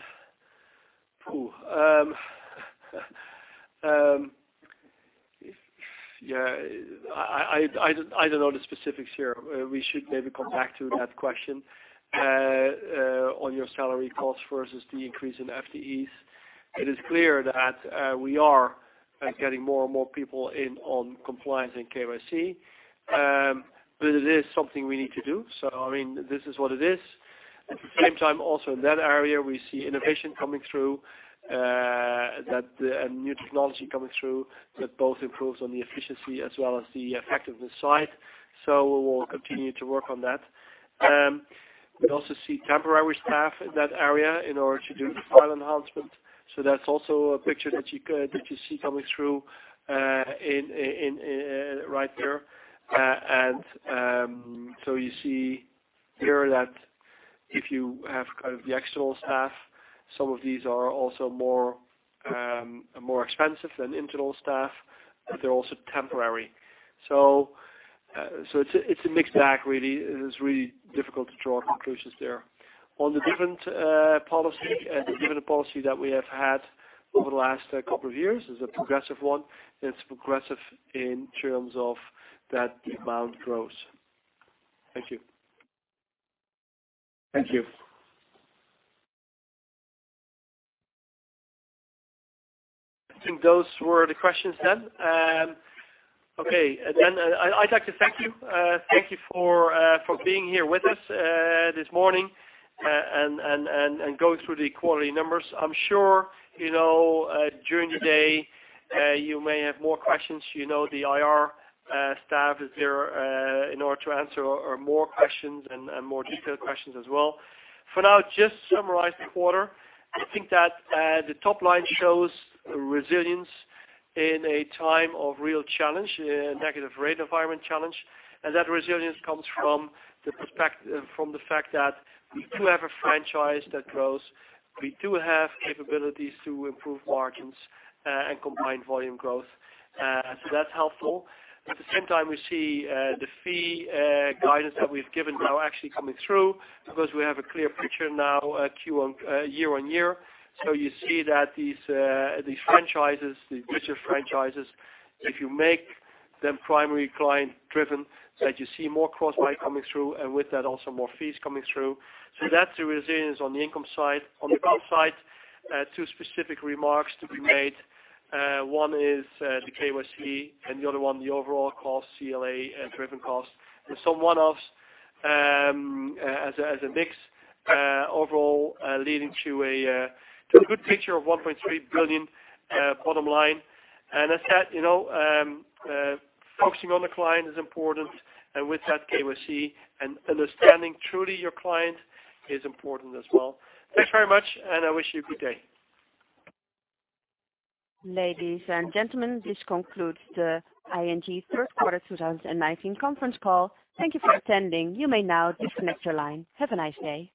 I don't know the specifics here. We should maybe come back to that question on your salary costs versus the increase in FTEs. It is clear that we are getting more and more people in on compliance and KYC, but it is something we need to do. This is what it is. At the same time, also in that area, we see innovation coming through, new technology coming through that both improves on the efficiency as well as the effectiveness side. We will continue to work on that. We also see temporary staff in that area in order to do file enhancement. That's also a picture that you see coming through right there. You see here that if you have the external staff, some of these are also more expensive than internal staff, but they're also temporary. It's a mixed bag, really. It is really difficult to draw conclusions there. On the dividend policy that we have had over the last couple of years is a progressive one. It's progressive in terms of that amount grows. Thank you. Thank you. I think those were the questions then. Okay. I'd like to thank you. Thank you for being here with us this morning and going through the quarterly numbers. I'm sure during the day, you may have more questions. You know the IR staff is there in order to answer more questions and more detailed questions as well. For now, just to summarize the quarter, I think that the top line shows resilience in a time of real challenge, a negative rate environment challenge, and that resilience comes from the fact that we do have a franchise that grows. We do have capabilities to improve margins and combine volume growth. That's helpful. At the same time, we see the fee guidance that we've given now actually coming through because we have a clear picture now year-on-year. You see that these franchises, the digital franchises, if you make them primary client-driven, that you see more cross-buy coming through, and with that, also more fees coming through. That's the resilience on the income side. On the cost side, two specific remarks to be made. One is the KYC and the other one the overall cost, CLA-driven costs. There's some one-offs as a mix overall leading to a good picture of 1.3 billion bottom line. As said, focusing on the client is important, and with that, KYC and understanding truly your client is important as well. Thanks very much, and I wish you a good day. Ladies and gentlemen, this concludes the ING third quarter 2019 conference call. Thank you for attending. You may now disconnect your line. Have a nice day.